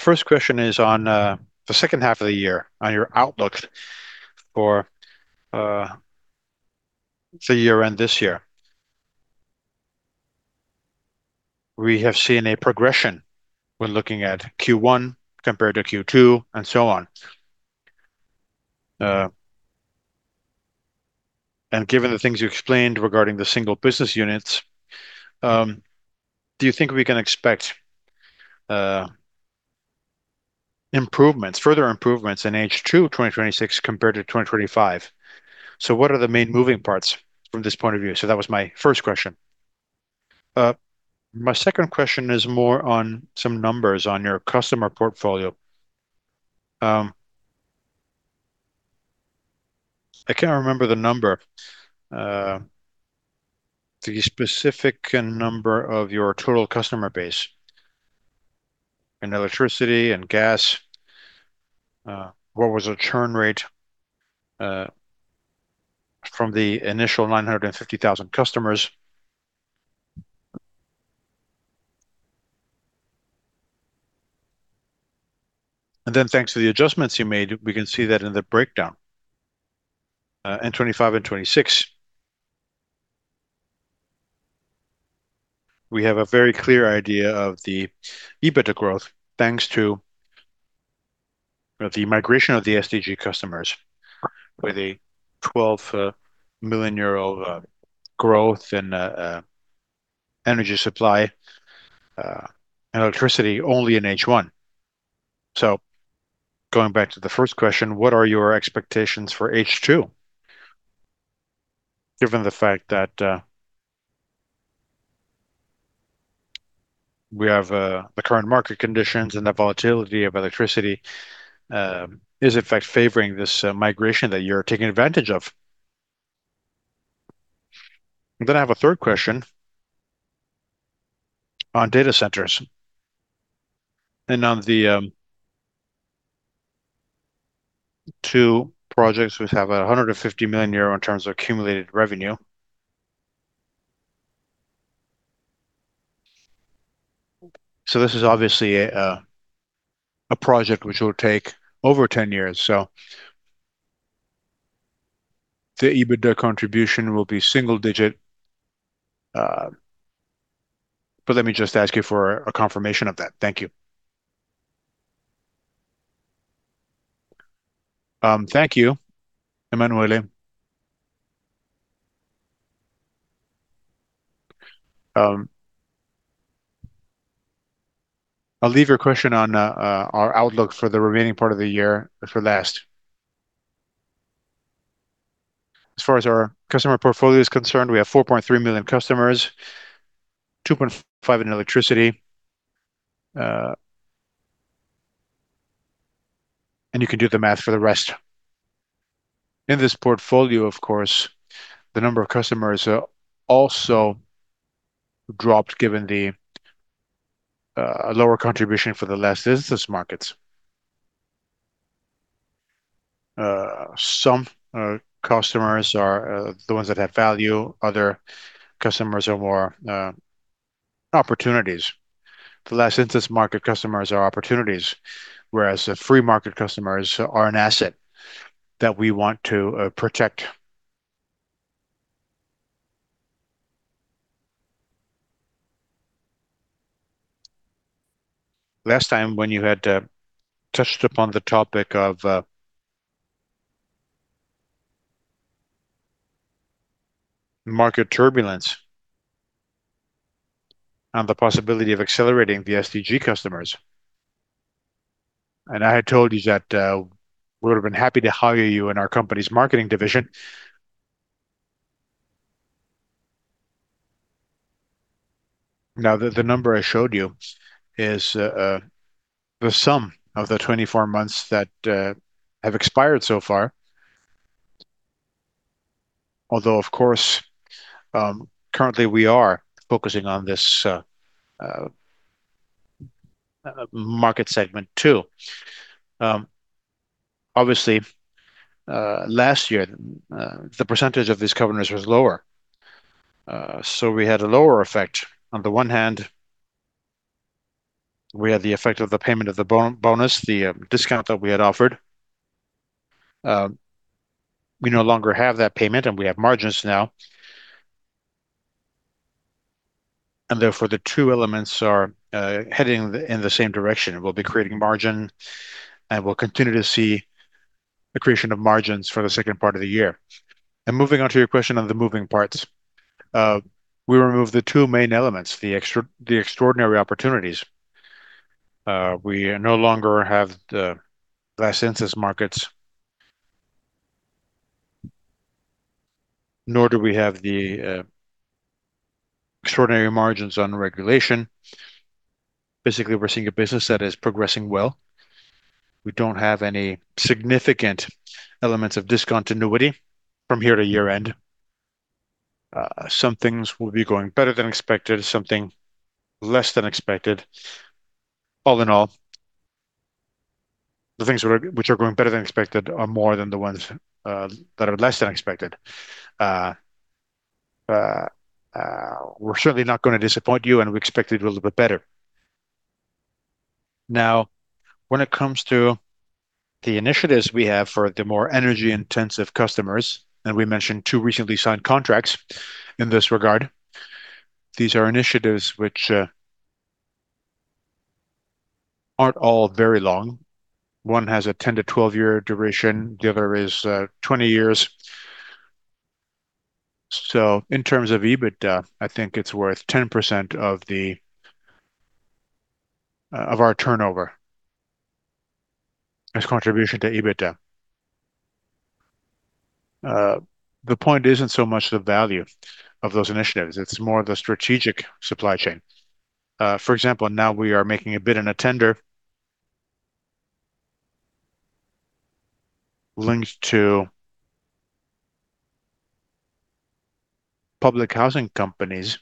first question is on the second half of the year on your outlook for the year-end this year. We have seen a progression when looking at Q1 compared to Q2 and so on. Given the things you explained regarding the single business units, do you think we can expect further improvements in H2 2026 compared to 2025? So what are the main moving parts from this point of view? So that was my first question. My second question is more on some numbers on your customer portfolio. I can't remember the number, the specific number of your total customer base in electricity and gas. What was the churn rate from the initial 950,000 customers? Then thanks to the adjustments you made, we can see that in the breakdown, in 2025 and 2026. We have a very clear idea of the EBITDA growth, thanks to the migration of the STG customers with a 12 million euro growth in energy supply and electricity only in H1. Going back to the first question, what are your expectations for H2, given the fact that we have the current market conditions and the volatility of electricity is in fact favoring this migration that you're taking advantage of? I have a third question on data centers and on the two projects which have a 150 million euro in terms of accumulated revenue. This is obviously a project which will take over 10 years, so the EBITDA contribution will be single digit. Let me just ask you for a confirmation of that. Thank you. Thank you, Emanuele. I'll leave your question on our outlook for the remaining part of the year for last. As far as our customer portfolio is concerned, we have 4.3 million customers, 2.5 million in electricity. You can do the math for the rest. In this portfolio, of course, the number of customers also dropped given the lower contribution for the less business markets. Some customers are the ones that have value, other customers are more opportunities. The less intense market customers are opportunities, whereas the free market customers are an asset that we want to protect. Last time when you had touched upon the topic of market turbulence and the possibility of accelerating the STG customers, I had told you that we would have been happy to hire you in our company's marketing division. The number I showed you is the sum of the 24 months that have expired so far. Although, of course, currently we are focusing on this market segment, too. Obviously, last year, the percentage of these customers was lower. We had a lower effect. On the one hand, we had the effect of the payment of the bonus, the discount that we had offered. We no longer have that payment. We have margins now. Therefore, the two elements are heading in the same direction. We'll be creating margin. We'll continue to see the creation of margins for the second part of the year. Moving on to your question on the moving parts. We removed the two main elements, the extraordinary opportunities. We no longer have the less intense markets, nor do we have the extraordinary margins on regulation. Basically, we're seeing a business that is progressing well. We don't have any significant elements of discontinuity from here to year-end. Some things will be going better than expected, something less than expected. All in all, the things which are going better than expected are more than the ones that are less than expected. We're certainly not going to disappoint you. We expect to do a little bit better. When it comes to the initiatives we have for the more energy-intensive customers, we mentioned two recently signed contracts in this regard. These are initiatives which aren't all very long. One has a 10-12-year duration, the other is 20 years. In terms of EBITDA, I think it's worth 10% of our turnover as contribution to EBITDA. The point isn't so much the value of those initiatives, it's more the strategic supply chain. For example, now we are making a bid and a tender linked to public housing companies,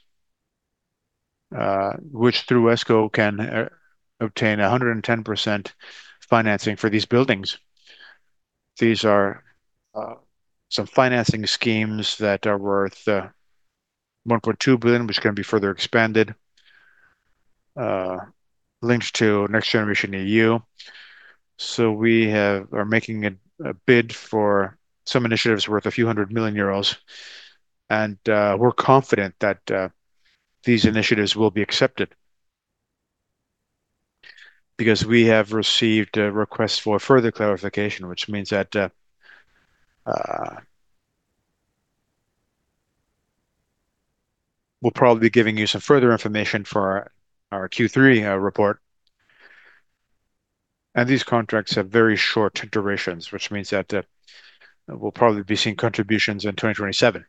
which through ESCO can obtain 110% financing for these buildings. These are some financing schemes that are worth 1.2 billion, which can be further expanded, linked to NextGenerationEU. We are making a bid for some initiatives worth a few hundred million EUR. We're confident that these initiatives will be accepted because we have received a request for further clarification, which means that we'll probably be giving you some further information for our Q3 report. These contracts have very short durations, which means that we'll probably be seeing contributions in 2027.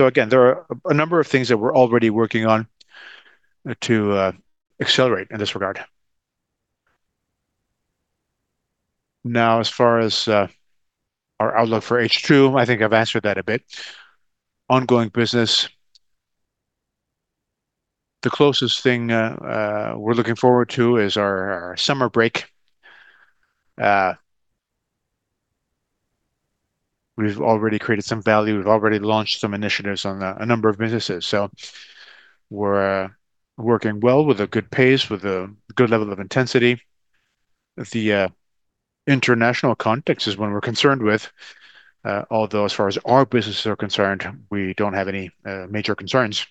Again, there are a number of things that we're already working on to accelerate in this regard. Now, as far as our outlook for H2, I think I've answered that a bit. Ongoing business. The closest thing we're looking forward to is our summer break. We've already created some value. We've already launched some initiatives on a number of businesses. We're working well with a good pace, with a good level of intensity. The international context is one we're concerned with. Although as far as our businesses are concerned, we don't have any major concerns.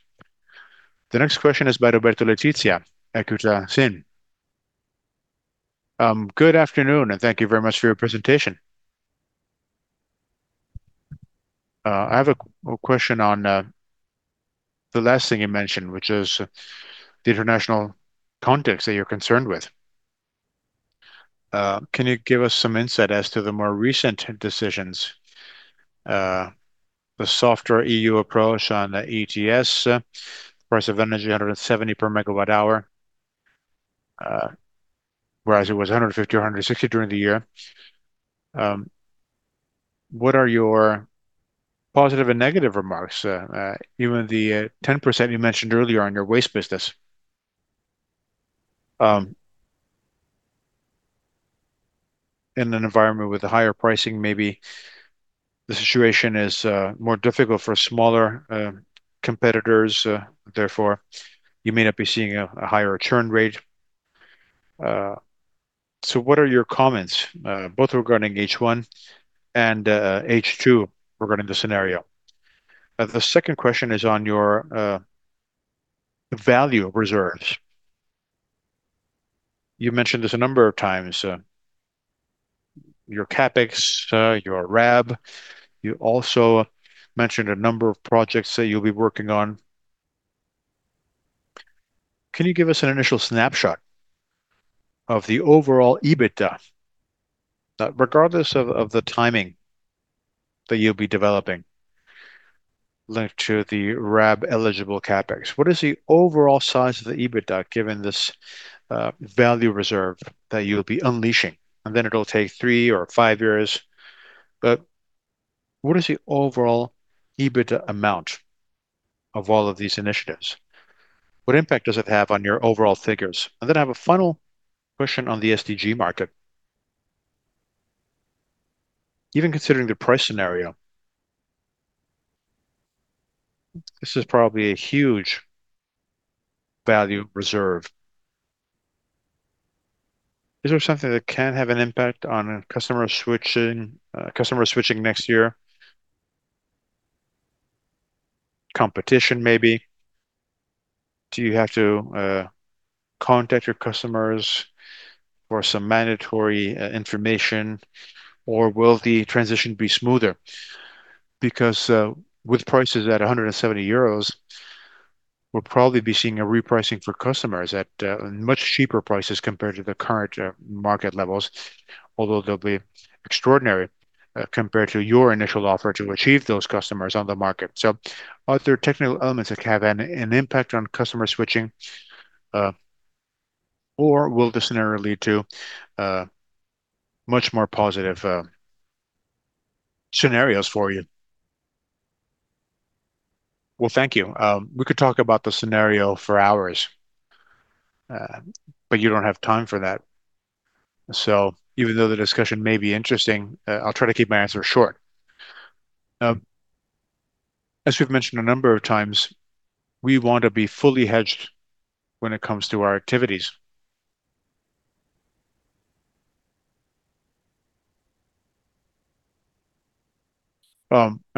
The next question is by Roberto Letizia, Equita SIM. Good afternoon, thank you very much for your presentation. I have a question on the last thing you mentioned, which is the international context that you're concerned with. Can you give us some insight as to the more recent decisions, the softer EU approach on the ETS, price of energy, 170/MWh, whereas it was 150 or 160 during the year. What are your positive and negative remarks? Even the 10% you mentioned earlier on your waste business. In an environment with a higher pricing, maybe the situation is more difficult for smaller competitors, therefore, you may not be seeing a higher return rate. What are your comments, both regarding H1 and H2 regarding the scenario? The second question is on your value reserves. You mentioned this a number of times, your CapEx, your RAB. You also mentioned a number of projects that you'll be working on. Can you give us an initial snapshot of the overall EBITDA, regardless of the timing that you'll be developing linked to the RAB-eligible CapEx? What is the overall size of the EBITDA, given this value reserve that you'll be unleashing? It'll take three or five years, but what is the overall EBITDA amount of all of these initiatives? What impact does it have on your overall figures? I have a final question on the STG market. Even considering the price scenario, this is probably a huge value reserve. Is there something that can have an impact on customer switching next year? Competition, maybe. Do you have to contact your customers for some mandatory information, or will the transition be smoother? Because with prices at 170 euros, we'll probably be seeing a repricing for customers at much cheaper prices compared to the current market levels, although they'll be extraordinary, compared to your initial offer to achieve those customers on the market. Are there technical elements that can have an impact on customer switching? Or will the scenario lead to much more positive scenarios for you? Well, thank you. We could talk about the scenario for hours, but you don't have time for that. Even though the discussion may be interesting, I'll try to keep my answer short. As we've mentioned a number of times, we want to be fully hedged when it comes to our activities.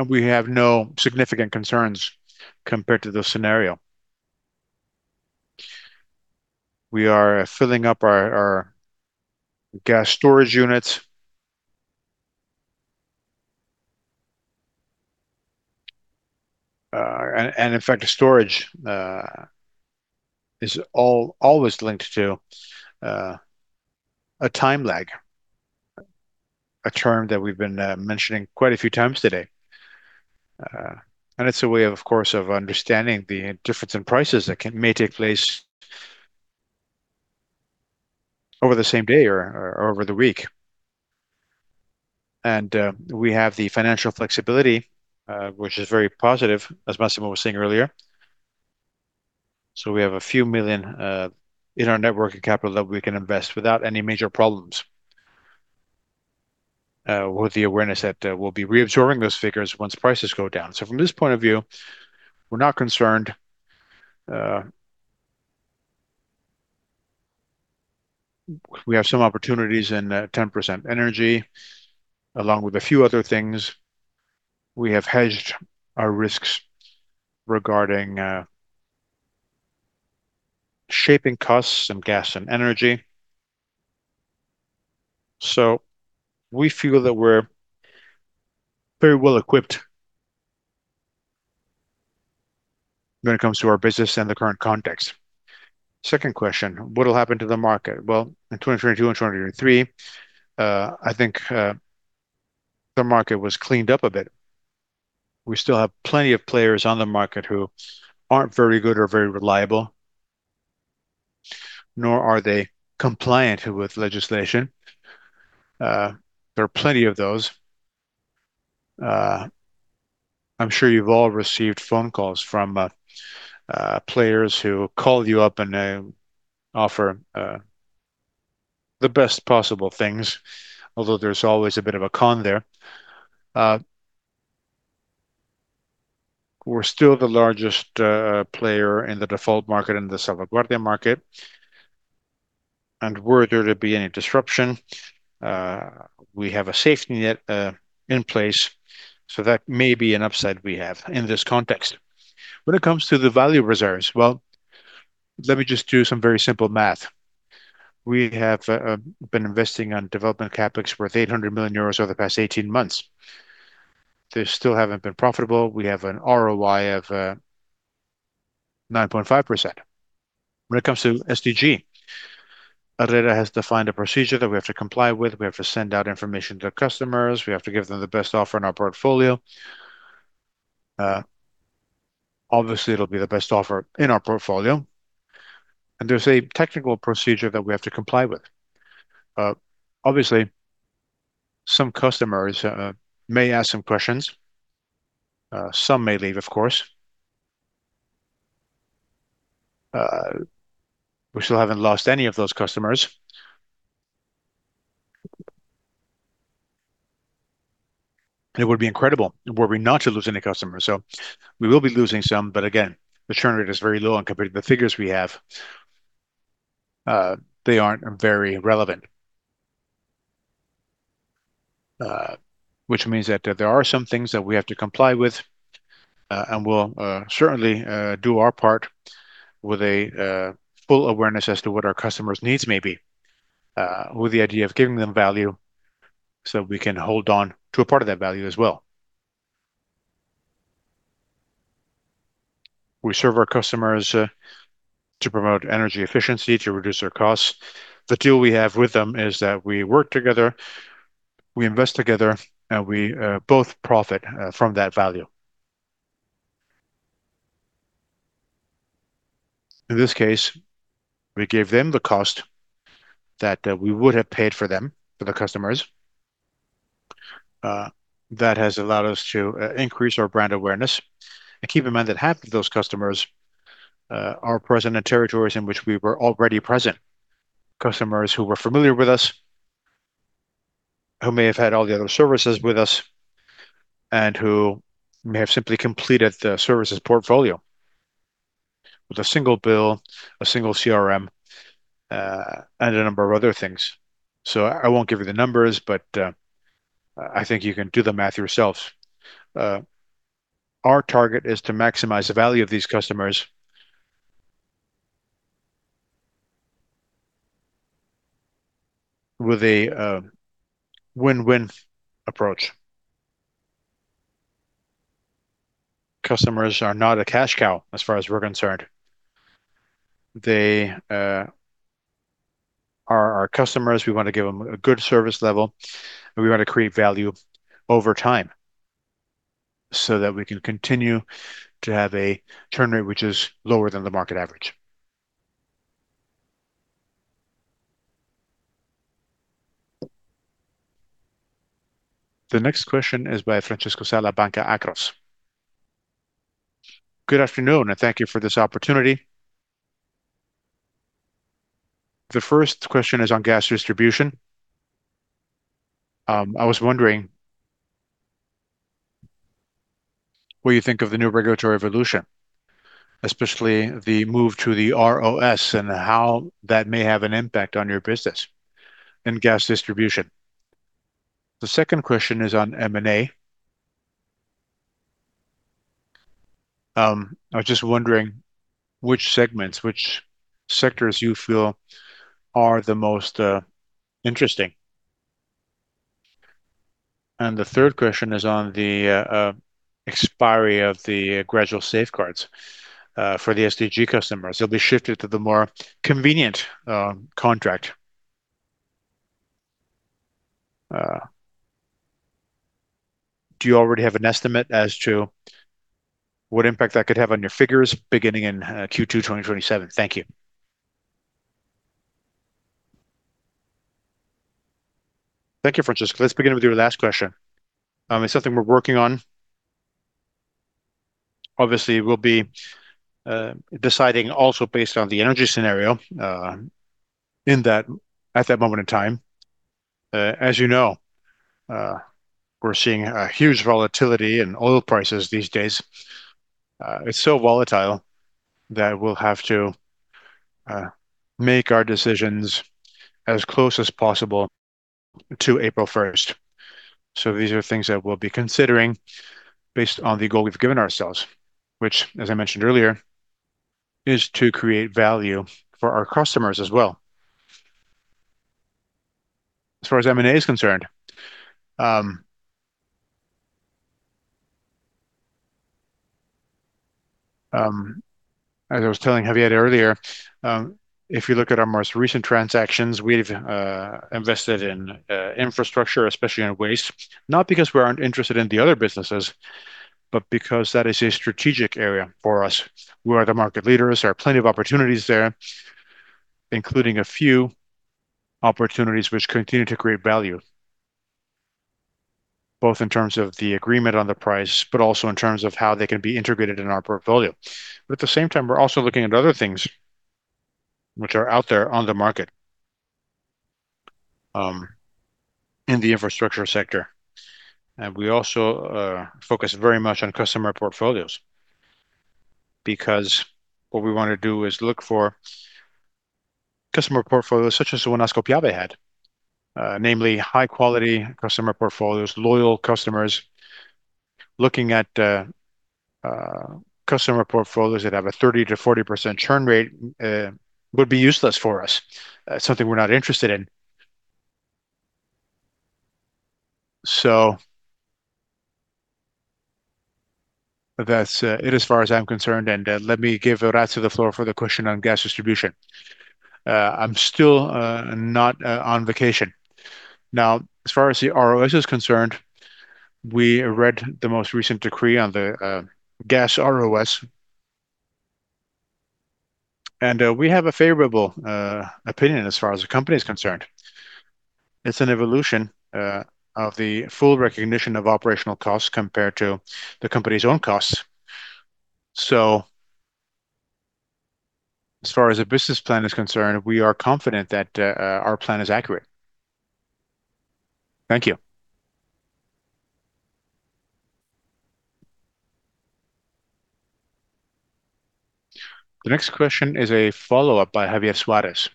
We have no significant concerns compared to the scenario. We are filling up our gas storage units. In fact, storage is always linked to a time lag, a term that we've been mentioning quite a few times today. It's a way, of course, of understanding the difference in prices that may take place over the same day or over the week. We have the financial flexibility, which is very positive, as Massimo was saying earlier. We have a few million EUR in our network and capital that we can invest without any major problems, with the awareness that we'll be reabsorbing those figures once prices go down. From this point of view, we're not concerned. We have some opportunities in 10% energy, along with a few other things. We have hedged our risks regarding shaping costs and gas and energy. We feel that we're very well equipped when it comes to our business and the current context. Second question, what will happen to the market? Well, in 2022 and 2023, I think the market was cleaned up a bit. We still have plenty of players on the market who aren't very good or very reliable. Nor are they compliant with legislation. There are plenty of those. I'm sure you've all received phone calls from players who call you up and they offer the best possible things, although there's always a bit of a con there. We're still the largest player in the default market, in the Salvaguardia market. Were there to be any disruption, we have a safety net in place, so that may be an upside we have in this context. When it comes to the value reserves, well, let me just do some very simple math. We have been investing on development CapEx worth 800 million euros over the past 18 months. They still haven't been profitable. We have an ROI of 9.5%. When it comes to STG, ARERA has defined a procedure that we have to comply with. We have to send out information to customers. We have to give them the best offer in our portfolio. Obviously, it'll be the best offer in our portfolio. There's a technical procedure that we have to comply with. Obviously, some customers may ask some questions. Some may leave, of course. We still haven't lost any of those customers. It would be incredible were we not to lose any customers. We will be losing some, but again, the churn rate is very low compared to the figures we have. They aren't very relevant. This means that there are some things that we have to comply with, and we'll certainly do our part with a full awareness as to what our customers' needs may be, with the idea of giving them value, so we can hold on to a part of that value as well. We serve our customers to promote energy efficiency, to reduce their costs. The deal we have with them is that we work together, we invest together, and we both profit from that value. In this case, we gave them the cost that we would have paid for them, for the customers. That has allowed us to increase our brand awareness. Keep in mind that half of those customers are present in territories in which we were already present. Customers who were familiar with us, who may have had all the other services with us, and who may have simply completed the services portfolio with a single bill, a single CRM, and a number of other things. I won't give you the numbers, but I think you can do the math yourselves. Our target is to maximize the value of these customers with a win-win approach. Customers are not a cash cow as far as we're concerned. They are our customers. We want to give them a good service level, and we want to create value over time, so that we can continue to have a churn rate which is lower than the market average. The next question is by Francesco Sala, Banca Akros. Good afternoon, thank you for this opportunity. The first question is on gas distribution. I was wondering what you think of the new regulatory evolution, especially the move to the ROS, and how that may have an impact on your business and gas distribution. The second question is on M&A. I was just wondering which segments, which sectors you feel are the most interesting. The third question is on the expiry of the gradual safeguards for the STG customers. They'll be shifted to the more convenient contract. Do you already have an estimate as to what impact that could have on your figures beginning in Q2 2027? Thank you. Thank you, Francesco. Let's begin with your last question. It's something we're working on. Obviously, we'll be deciding also based on the energy scenario at that moment in time. As you know, we're seeing a huge volatility in oil prices these days. It's so volatile that we'll have to make our decisions as close as possible to April 1st. These are things that we'll be considering based on the goal we've given ourselves, which, as I mentioned earlier, is to create value for our customers as well. As far as M&A is concerned, as I was telling Javier earlier, if you look at our most recent transactions, we've invested in infrastructure, especially in waste, not because we aren't interested in the other businesses. Because that is a strategic area for us. We are the market leaders. There are plenty of opportunities there, including a few opportunities which continue to create value, both in terms of the agreement on the price, but also in terms of how they can be integrated in our portfolio. At the same time, we're also looking at other things which are out there on the market in the infrastructure sector. We also focus very much on customer portfolios because what we want to do is look for customer portfolios such as the one Ascopiave had. Namely, high-quality customer portfolios, loyal customers. Looking at customer portfolios that have a 30%-40% churn rate would be useless for us. Something we're not interested in. That's it as far as I'm concerned, and let me give Orazio the floor for the question on gas distribution. I'm still not on vacation. As far as the ROS is concerned, we read the most recent decree on the gas ROS, and we have a favorable opinion as far as the company is concerned. It's an evolution of the full recognition of operational costs compared to the company's own costs. As far as the business plan is concerned, we are confident that our plan is accurate. Thank you. The next question is a follow-up by Javier Suárez.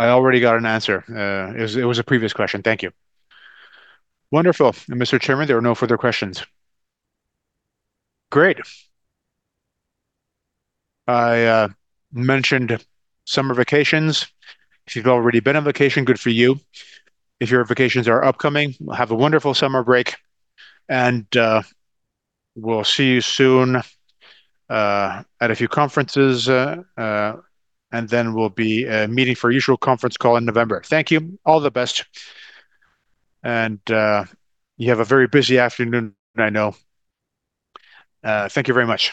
I already got an answer. It was a previous question. Thank you. Wonderful. Mr. Chairman, there are no further questions. Great. I mentioned summer vacations. If you've already been on vacation, good for you. If your vacations are upcoming, have a wonderful summer break. We'll see you soon at a few conferences, and then we'll be meeting for our usual conference call in November. Thank you. All the best. You have a very busy afternoon, I know. Thank you very much.